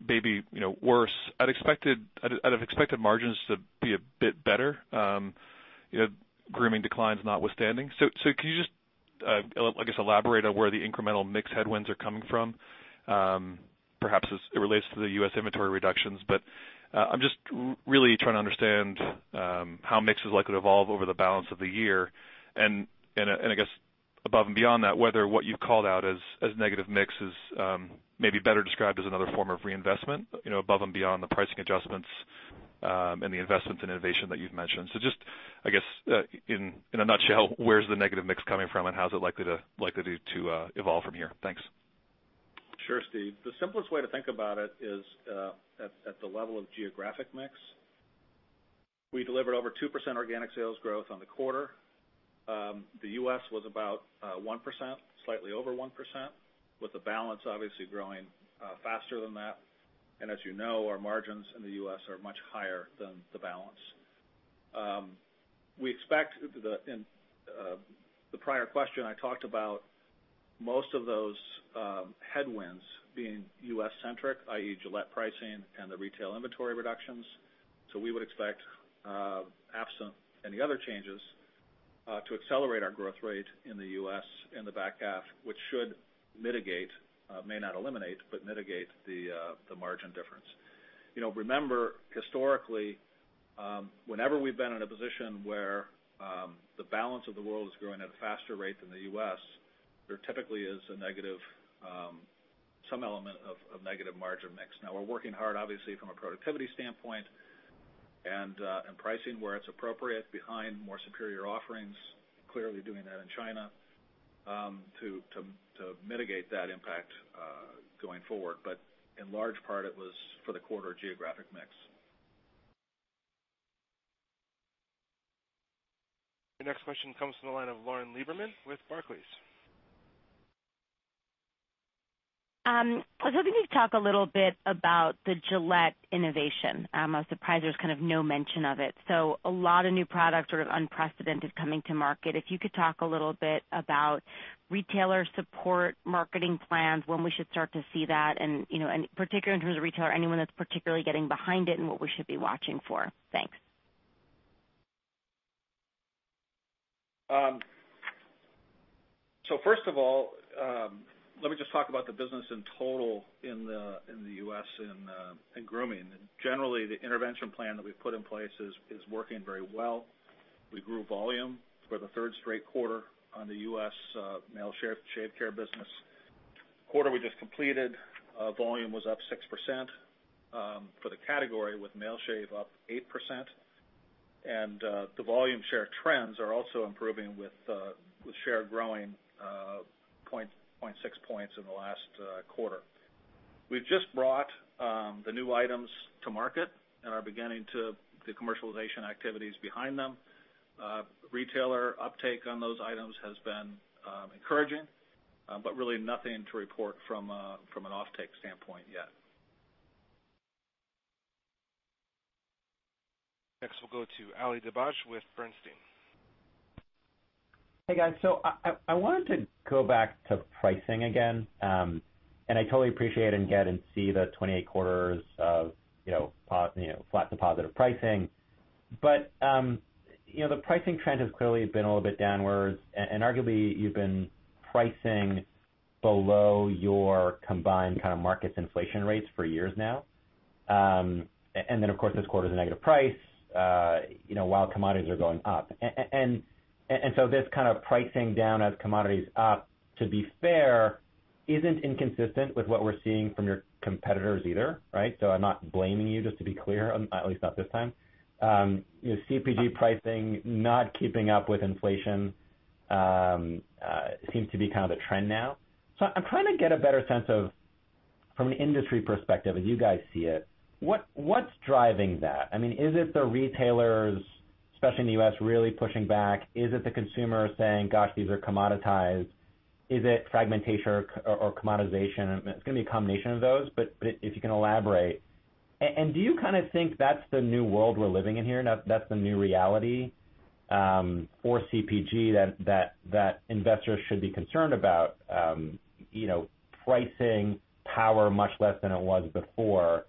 [SPEAKER 6] baby worse. I'd have expected margins to be a bit better, grooming declines notwithstanding. Could you just, I guess, elaborate on where the incremental mix headwinds are coming from? Perhaps as it relates to the U.S. inventory reductions, but I'm just really trying to understand how mix is likely to evolve over the balance of the year. I guess above and beyond that, whether what you've called out as negative mix is maybe better described as another form of reinvestment, above and beyond the pricing adjustments, and the investments in innovation that you've mentioned. Just, I guess, in a nutshell, where's the negative mix coming from and how's it likely to evolve from here? Thanks.
[SPEAKER 2] Sure, Steve. The simplest way to think about it is, at the level of geographic mix. We delivered over 2% organic sales growth on the quarter. The U.S. was about 1%, slightly over 1%, with the balance obviously growing faster than that. As you know, our margins in the U.S. are much higher than the balance. In the prior question, I talked about most of those headwinds being U.S.-centric, i.e. Gillette pricing and the retail inventory reductions. We would expect, absent any other changes, to accelerate our growth rate in the U.S. in the back half, which should mitigate, may not eliminate, but mitigate the margin difference. Remember, historically, whenever we've been in a position where the balance of the world is growing at a faster rate than the U.S., there typically is some element of negative margin mix. Now we're working hard, obviously from a productivity standpoint and pricing where it's appropriate behind more superior offerings. Clearly doing that in China, to mitigate that impact going forward. In large part, it was for the quarter geographic mix.
[SPEAKER 1] Your next question comes from the line of Lauren Lieberman with Barclays.
[SPEAKER 7] I was hoping you'd talk a little bit about the Gillette innovation. I'm surprised there's no mention of it. A lot of new product, sort of unprecedented, coming to market. If you could talk a little bit about retailer support, marketing plans, when we should start to see that and, in particular, in terms of retailer, anyone that's particularly getting behind it and what we should be watching for. Thanks.
[SPEAKER 2] First of all, let me just talk about the business in total in the U.S. in grooming. Generally, the intervention plan that we've put in place is working very well. We grew volume for the third straight quarter on the U.S. male shave care business. Quarter we just completed, volume was up 6% for the category, with male shave up 8%. The volume share trends are also improving with share growing 0.6 points in the last quarter. We've just brought the new items to market and are beginning the commercialization activities behind them. Retailer uptake on those items has been encouraging, but really nothing to report from an offtake standpoint yet.
[SPEAKER 1] Next, we'll go to Ali Dibadj with Bernstein.
[SPEAKER 8] Hey, guys. I wanted to go back to pricing again. I totally appreciate and get and see the 28 quarters of flat to positive pricing. The pricing trend has clearly been a little bit downwards. Arguably, you've been pricing below your combined kind of markets inflation rates for years now. Of course, this quarter's a negative price, while commodities are going up. This kind of pricing down as commodities up, to be fair, isn't inconsistent with what we're seeing from your competitors either. I'm not blaming you, just to be clear, at least not this time. CPG pricing not keeping up with inflation seems to be kind of the trend now. I'm trying to get a better sense of, from an industry perspective, as you guys see it, what's driving that? Is it the retailers, especially in the U.S., really pushing back? Is it the consumer saying, "Gosh, these are commoditized"? Is it fragmentation or commoditization? It's going to be a combination of those, but if you can elaborate. Do you think that's the new world we're living in here? That's the new reality for CPG that investors should be concerned about, pricing power much less than it was before?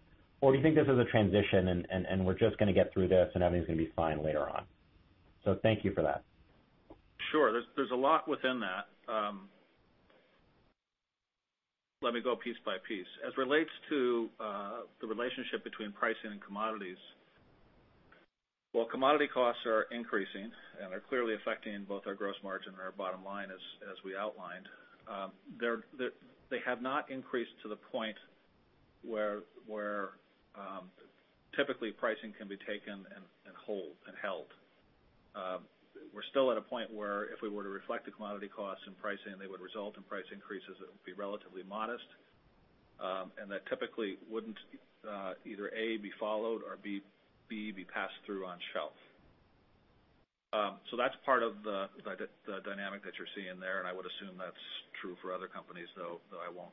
[SPEAKER 8] Do you think this is a transition, and we're just going to get through this and everything's going to be fine later on? Thank you for that.
[SPEAKER 2] Sure. There's a lot within that. Let me go piece by piece. As relates to the relationship between pricing and commodities, while commodity costs are increasing and are clearly affecting both our gross margin and our bottom line, as we outlined, they have not increased to the point where typically pricing can be taken and held. We're still at a point where if we were to reflect the commodity costs in pricing, they would result in price increases that would be relatively modest, and that typically wouldn't, either, A, be followed, or B, be passed through on shelf. That's part of the dynamic that you're seeing there, and I would assume that's true for other companies, though I won't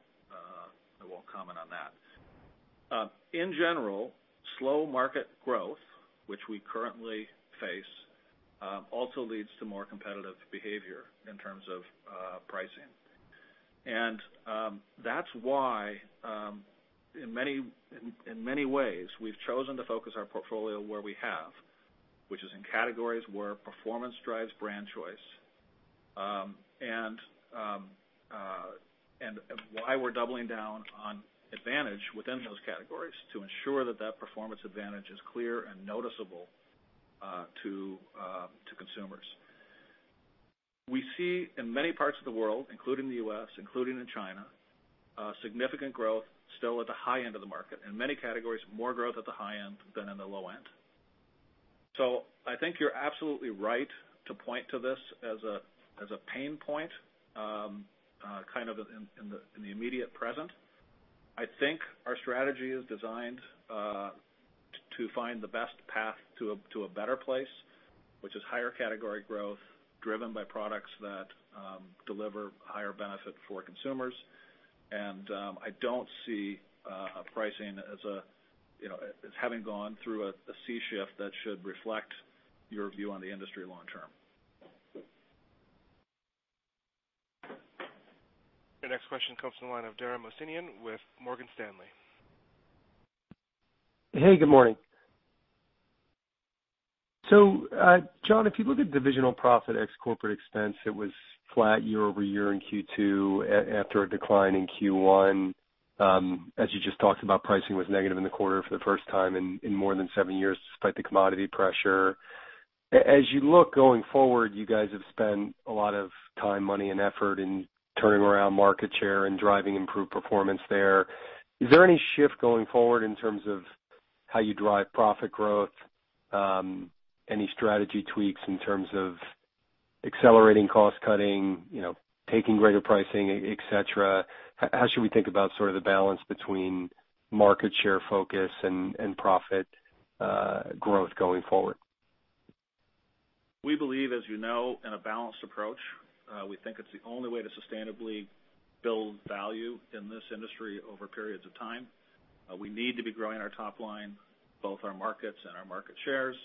[SPEAKER 2] comment on that. In general, slow market growth, which we currently face, also leads to more competitive behavior in terms of pricing. That's why, in many ways, we've chosen to focus our portfolio where we have, which is in categories where performance drives brand choice, and why we're doubling down on advantage within those categories to ensure that that performance advantage is clear and noticeable to consumers. We see, in many parts of the world, including the U.S., including in China, significant growth still at the high end of the market. In many categories, more growth at the high end than in the low end. I think you're absolutely right to point to this as a pain point in the immediate present. I think our strategy is designed to find the best path to a better place, which is higher category growth driven by products that deliver higher benefit for consumers. I don't see pricing as having gone through a sea change that should reflect your view on the industry long term.
[SPEAKER 1] Your next question comes from the line of Dara Mohsenian with Morgan Stanley.
[SPEAKER 9] Hey, good morning. Jon, if you look at divisional profit ex-corporate expense, it was flat year-over-year in Q2 after a decline in Q1. As you just talked about, pricing was negative in the quarter for the first time in more than seven years, despite the commodity pressure. As you look going forward, you guys have spent a lot of time, money, and effort in turning around market share and driving improved performance there. Is there any shift going forward in terms of how you drive profit growth? Any strategy tweaks in terms of accelerating cost cutting, taking greater pricing, et cetera? How should we think about the balance between market share focus and profit growth going forward?
[SPEAKER 2] We believe, as you know, in a balanced approach. We think it's the only way to sustainably build value in this industry over periods of time. We need to be growing our top line, both our markets and our market shares.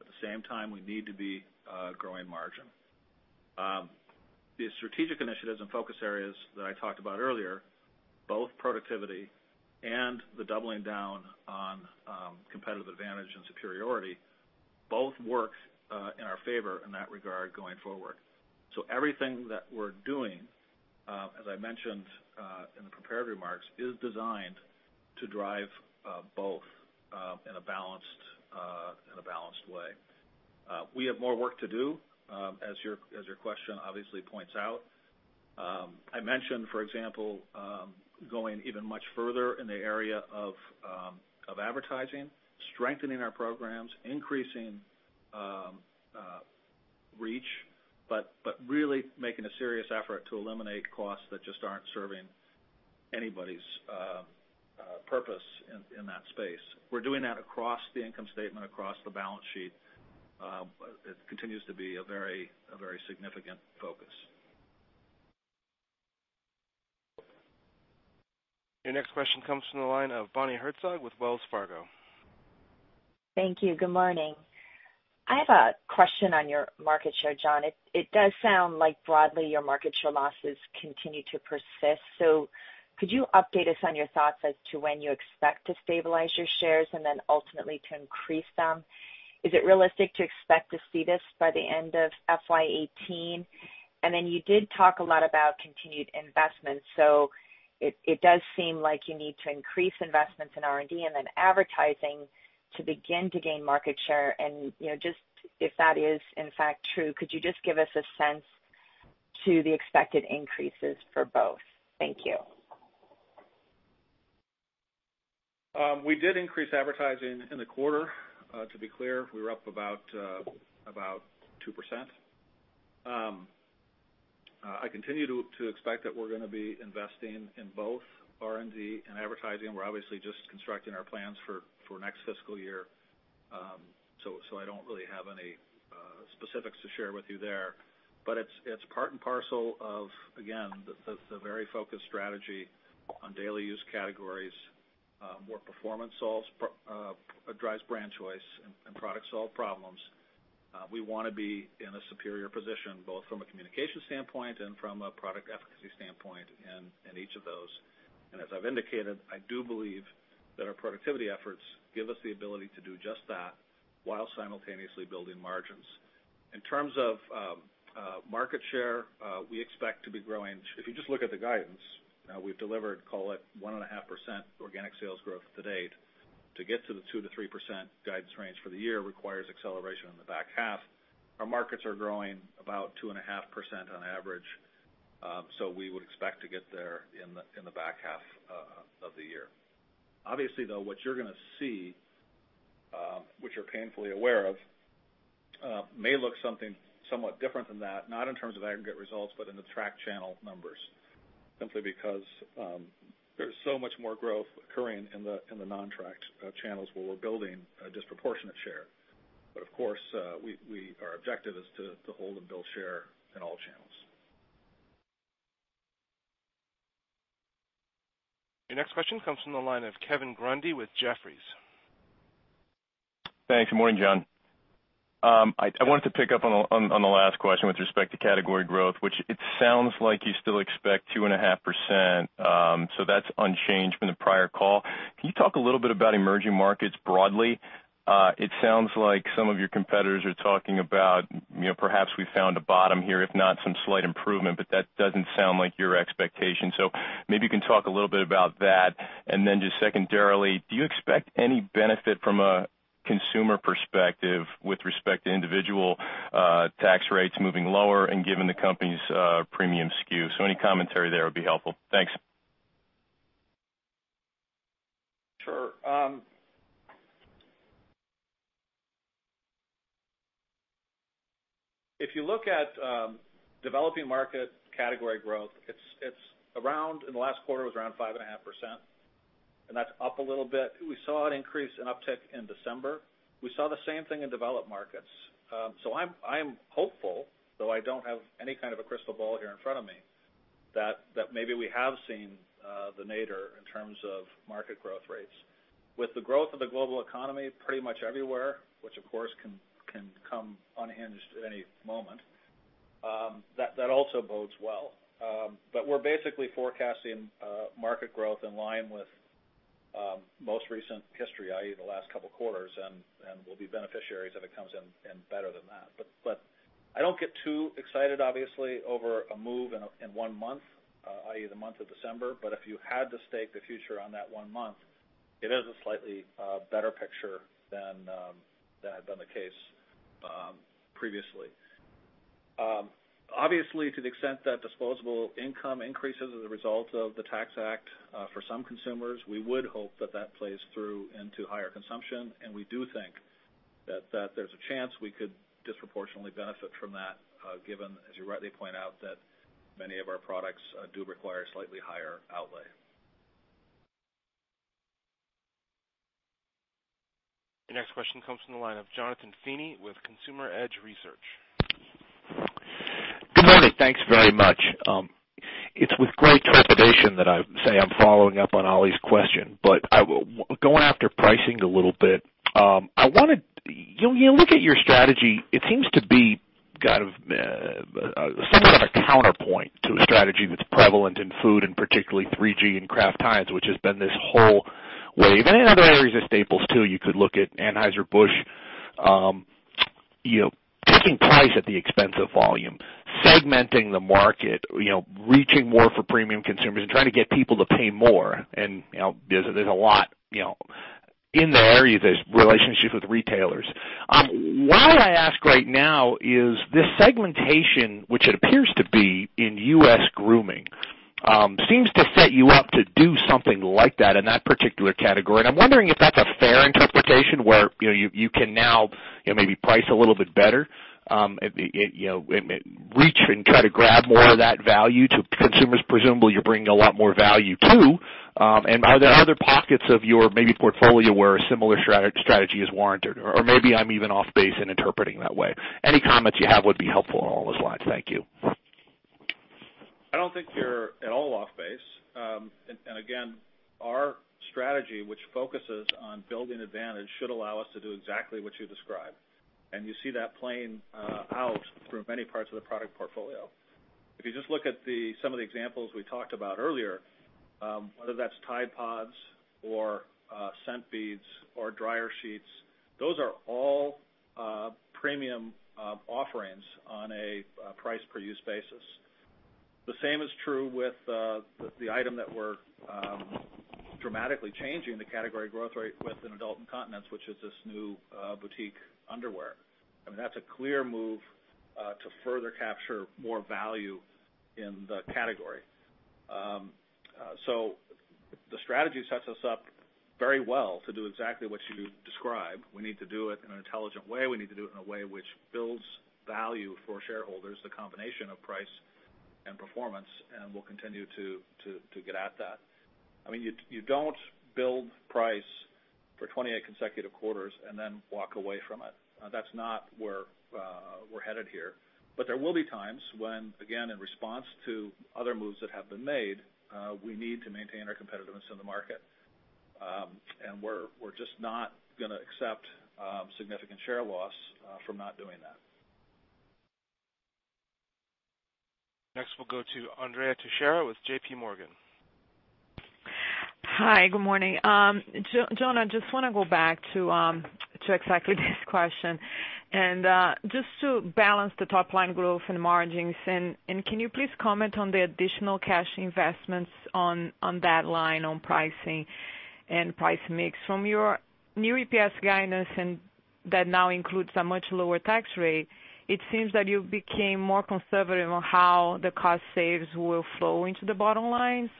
[SPEAKER 2] At the same time, we need to be growing margin. The strategic initiatives and focus areas that I talked about earlier, both productivity and the doubling down on competitive advantage and superiority, both work in our favor in that regard going forward. Everything that we're doing, as I mentioned in the prepared remarks, is designed to drive both in a balanced way. We have more work to do, as your question obviously points out. I mentioned, for example, going even much further in the area of advertising, strengthening our programs, increasing reach, but really making a serious effort to eliminate costs that just aren't serving anybody's purpose in that space. We're doing that across the income statement, across the balance sheet. It continues to be a very significant focus.
[SPEAKER 1] Your next question comes from the line of Bonnie Herzog with Wells Fargo.
[SPEAKER 10] Thank you. Good morning. I have a question on your market share, Jon. It does sound like broadly, your market share losses continue to persist. Could you update us on your thoughts as to when you expect to stabilize your shares and then ultimately to increase them? Is it realistic to expect to see this by the end of FY 2018? You did talk a lot about continued investments. It does seem like you need to increase investments in R&D and then advertising to begin to gain market share. Just if that is in fact true, could you just give us a sense to the expected increases for both? Thank you.
[SPEAKER 2] We did increase advertising in the quarter, to be clear. We were up about 2%. I continue to expect that we're going to be investing in both R&D and advertising. We're obviously just constructing our plans for next fiscal year. I don't really have any specifics to share with you there. It's part and parcel of, again, the very focused strategy on daily use categories, where performance drives brand choice, and products solve problems. We want to be in a superior position, both from a communication standpoint and from a product efficacy standpoint in each of those. As I've indicated, I do believe that our productivity efforts give us the ability to do just that, while simultaneously building margins. In terms of market share, we expect to be growing. If you just look at the guidance, we've delivered, call it, 1.5% organic sales growth to date. To get to the 2%-3% guidance range for the year requires acceleration in the back half. Our markets are growing about 2.5% on average. We would expect to get there in the back half of the year. Obviously, though, what you're going to see, which you're painfully aware of, may look something somewhat different than that, not in terms of aggregate results, but in the track channel numbers, simply because there's so much more growth occurring in the non-tracked channels where we're building a disproportionate share. Of course, our objective is to hold and build share in all channels.
[SPEAKER 1] Your next question comes from the line of Kevin Grundy with Jefferies.
[SPEAKER 11] Thanks. Good morning, Jon. I wanted to pick up on the last question with respect to category growth, which it sounds like you still expect 2.5%, so that's unchanged from the prior call. Can you talk a little bit about emerging markets broadly? It sounds like some of your competitors are talking about perhaps we found a bottom here, if not some slight improvement, but that doesn't sound like your expectation. Maybe you can talk a little bit about that. Just secondarily, do you expect any benefit from a consumer perspective with respect to individual tax rates moving lower and given the company's premium SKU? Any commentary there would be helpful. Thanks.
[SPEAKER 2] Sure. If you look at developing market category growth, in the last quarter, it was around 5.5%, and that's up a little bit. We saw an increase in uptick in December. We saw the same thing in developed markets. I'm hopeful, though I don't have any kind of a crystal ball here in front of me, that maybe we have seen the nadir in terms of market growth rates. With the growth of the global economy pretty much everywhere, which, of course, can come unhinged at any moment, that also bodes well. We're basically forecasting market growth in line with most recent history, i.e., the last couple of quarters, and we'll be beneficiaries if it comes in better than that. I don't get too excited, obviously, over a move in one month, i.e., the month of December. If you had to stake the future on that one month, it is a slightly better picture than had been the case previously. Obviously, to the extent that disposable income increases as a result of the Tax Act for some consumers, we would hope that that plays through into higher consumption, and we do think that there's a chance we could disproportionately benefit from that, given, as you rightly point out, that many of our products do require a slightly higher outlay.
[SPEAKER 1] Your next question comes from the line of Jonathan Feeney with Consumer Edge Research.
[SPEAKER 12] Good morning. Thanks very much. It's with great trepidation that I say I'm following up on Ali's question, going after pricing a little bit. You look at your strategy, it seems to be some sort of counterpoint to a strategy that's prevalent in food and particularly 3G and Kraft Heinz, which has been this whole wave, and in other areas of staples, too. You could look at Anheuser-Busch, taking price at the expense of volume, segmenting the market, reaching more for premium consumers and trying to get people to pay more, and there's a lot in the area. There's relationships with retailers. Why I ask right now is this segmentation, which it appears to be in U.S. grooming, seems to set you up to do something like that in that particular category. I'm wondering if that's a fair interpretation where you can now maybe price a little bit better, reach and try to grab more of that value to consumers, presumably you're bringing a lot more value to. Are there other pockets of your maybe portfolio where a similar strategy is warranted? Or maybe I'm even off base in interpreting that way. Any comments you have would be helpful along those lines. Thank you.
[SPEAKER 2] I don't think you're at all off base. Again, our strategy, which focuses on building advantage, should allow us to do exactly what you described. You see that playing out through many parts of the product portfolio. If you just look at some of the examples we talked about earlier, whether that's Tide PODS or scent beads or dryer sheets, those are all premium offerings on a price per use basis. The same is true with the item that we're dramatically changing the category growth rate with in adult incontinence, which is this new boutique underwear. I mean, that's a clear move to further capture more value in the category. The strategy sets us up very well to do exactly what you described. We need to do it in an intelligent way. We need to do it in a way which builds value for shareholders, the combination of price and performance, we'll continue to get at that. I mean, you don't build price for 28 consecutive quarters and then walk away from it. That's not where we're headed here. There will be times when, again, in response to other moves that have been made, we need to maintain our competitiveness in the market. We're just not going to accept significant share loss from not doing that.
[SPEAKER 1] Next, we'll go to Andrea Teixeira with J.P. Morgan.
[SPEAKER 13] Hi, good morning. Jon, I just want to go back to exactly this question, just to balance the top-line growth and margins, can you please comment on the additional cash investments on that line on pricing and price mix? From your new EPS guidance, that now includes a much lower tax rate, it seems that you became more conservative on how the cost saves will flow into the bottom line.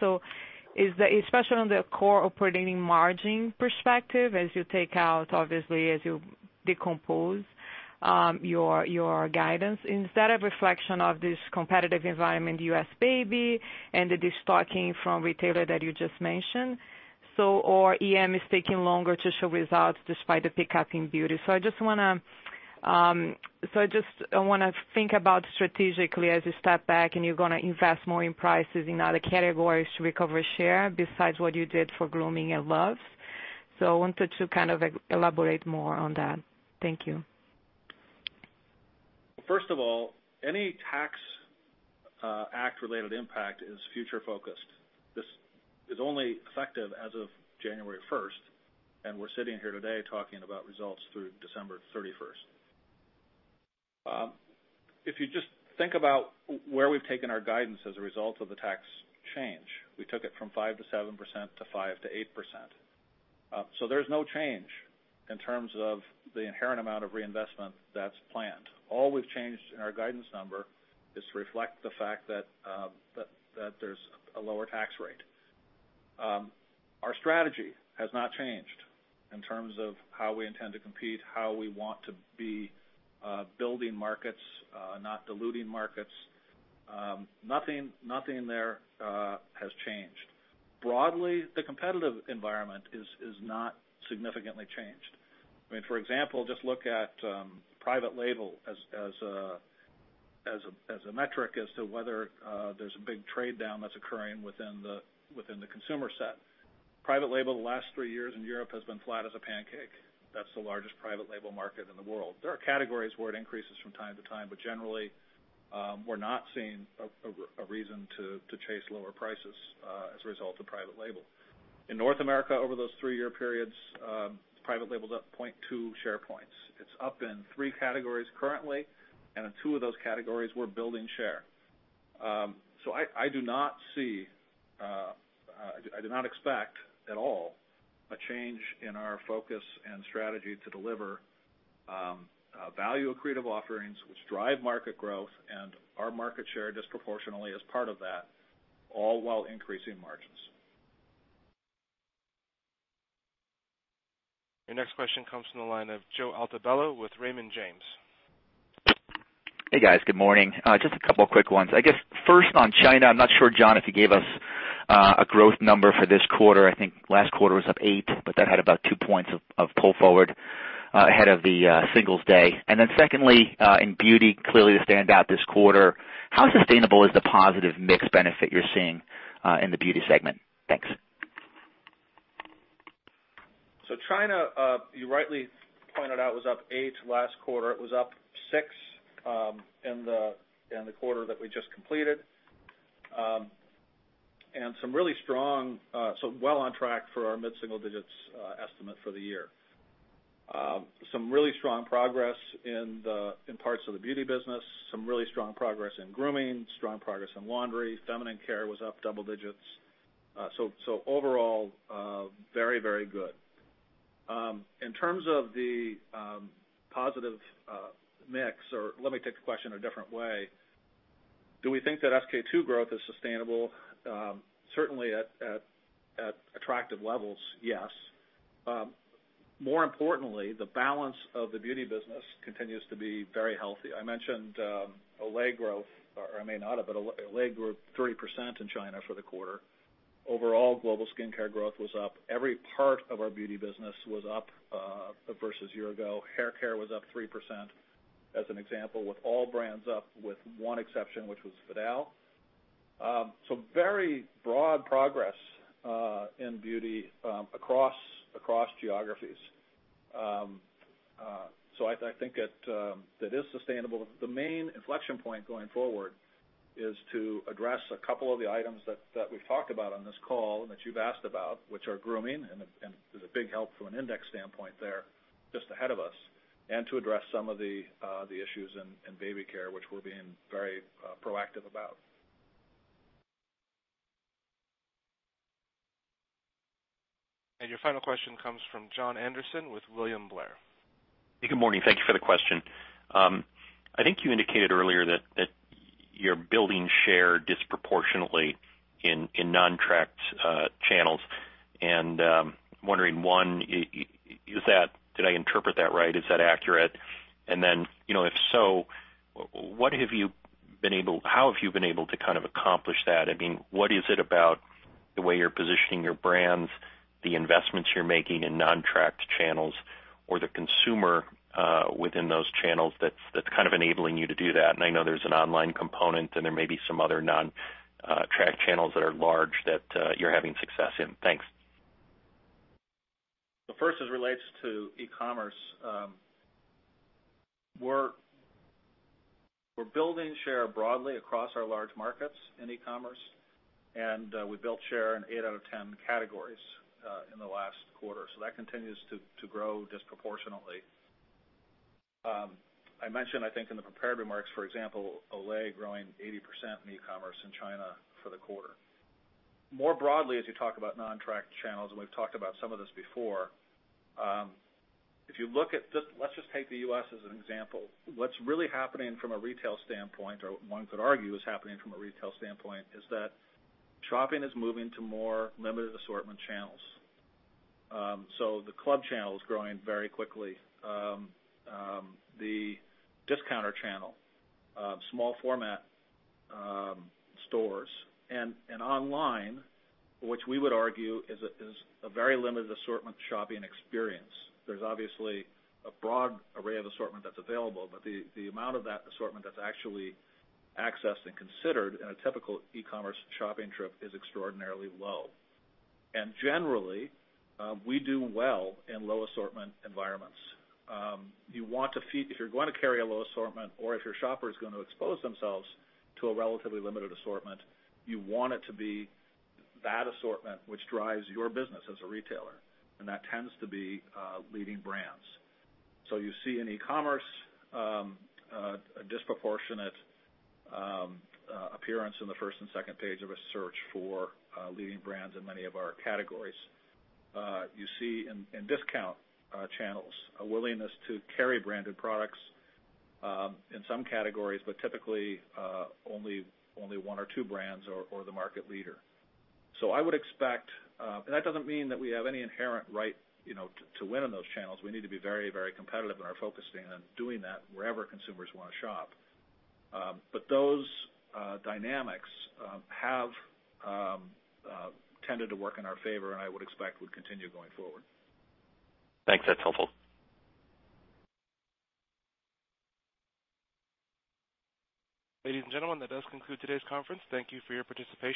[SPEAKER 13] Especially on the core operating margin perspective, as you take out, obviously, as you decompose your guidance, is that a reflection of this competitive environment in U.S. baby and the destocking from retailer that you just mentioned? Or EM is taking longer to show results despite the pickup in beauty. I just want to think about strategically as you step back and you're going to invest more in prices in other categories to recover share besides what you did for grooming and Luvs. I wanted to kind of elaborate more on that. Thank you.
[SPEAKER 2] First of all, any tax act-related impact is future-focused. This is only effective as of January 1st, and we're sitting here today talking about results through December 31st. If you just think about where we've taken our guidance as a result of the tax change, we took it from 5%-7% to 5%-8%. There's no change in terms of the inherent amount of reinvestment that's planned. All we've changed in our guidance number is to reflect the fact that there's a lower tax rate. Our strategy has not changed in terms of how we intend to compete, how we want to be building markets, not diluting markets. Nothing there has changed. Broadly, the competitive environment is not significantly changed. For example, just look at private label as a metric as to whether there's a big trade-down that's occurring within the consumer set. Private label the last three years in Europe has been flat as a pancake. That's the largest private label market in the world. There are categories where it increases from time to time, but generally, we're not seeing a reason to chase lower prices as a result of private label. In North America, over those three-year periods, private label is up 0.2 share points. It's up in three categories currently, and in two of those categories, we're building share. I do not expect at all a change in our focus and strategy to deliver value-accretive offerings which drive market growth and our market share disproportionately as part of that, all while increasing margins.
[SPEAKER 1] Your next question comes from the line of Joseph Altobello with Raymond James.
[SPEAKER 14] Hey, guys. Good morning. Just a couple quick ones. I guess, first on China, I'm not sure, Jon, if you gave us a growth number for this quarter. I think last quarter was up eight, but that had about two points of pull forward ahead of the Singles' Day. Secondly, in beauty, clearly the standout this quarter. How sustainable is the positive mix benefit you're seeing in the beauty segment? Thanks.
[SPEAKER 2] China, you rightly pointed out, was up eight last quarter. It was up six in the quarter that we just completed. Well on track for our mid-single digits estimate for the year. Some really strong progress in parts of the beauty business, some really strong progress in grooming, strong progress in laundry. Feminine care was up double digits. Overall, very, very good. In terms of the positive mix, or let me take the question a different way. Do we think that SK-II growth is sustainable? Certainly, at attractive levels, yes. More importantly, the balance of the beauty business continues to be very healthy. I mentioned Olay growth, or I may not have, but Olay grew 30% in China for the quarter. Overall, global skincare growth was up. Every part of our beauty business was up versus a year ago. Hair care was up 3%, as an example, with all brands up, with one exception, which was Vidal. Very broad progress in beauty across geographies. I think that it is sustainable. The main inflection point going forward is to address a couple of the items that we've talked about on this call and that you've asked about, which are grooming, and there's a big help from an index standpoint there, just ahead of us, and to address some of the issues in baby care, which we're being very proactive about.
[SPEAKER 1] Your final question comes from Jon Andersen with William Blair.
[SPEAKER 15] Good morning. Thank you for the question. I think you indicated earlier that you're building share disproportionately in non-tracked channels. I'm wondering, one, did I interpret that right? Is that accurate? Then, if so, how have you been able to accomplish that? What is it about the way you're positioning your brands, the investments you're making in non-tracked channels, or the consumer within those channels that's enabling you to do that? I know there's an online component, and there may be some other non-tracked channels that are large that you're having success in. Thanks.
[SPEAKER 2] The first, as it relates to e-commerce, we're building share broadly across our large markets in e-commerce, and we built share in eight out of 10 categories in the last quarter. That continues to grow disproportionately. I mentioned, I think, in the prepared remarks, for example, Olay growing 80% in e-commerce in China for the quarter. More broadly, as you talk about non-tracked channels, and we've talked about some of this before, let's just take the U.S. as an example. What's really happening from a retail standpoint, or one could argue is happening from a retail standpoint, is that shopping is moving to more limited assortment channels. The club channel is growing very quickly. The discounter channel, small format stores, and online, which we would argue is a very limited assortment shopping experience. There's obviously a broad array of assortment that's available, but the amount of that assortment that's actually accessed and considered in a typical e-commerce shopping trip is extraordinarily low. Generally, we do well in low assortment environments. If you're going to carry a low assortment or if your shopper is going to expose themselves to a relatively limited assortment, you want it to be that assortment which drives your business as a retailer, and that tends to be leading brands. You see in e-commerce a disproportionate appearance in the first and second page of a search for leading brands in many of our categories. You see in discount channels a willingness to carry branded products in some categories, but typically only one or two brands or the market leader. That doesn't mean that we have any inherent right to win on those channels. We need to be very competitive and are focused on doing that wherever consumers want to shop. Those dynamics have tended to work in our favor, and I would expect would continue going forward.
[SPEAKER 15] Thanks. That's helpful.
[SPEAKER 1] Ladies and gentlemen, that does conclude today's conference. Thank you for your participation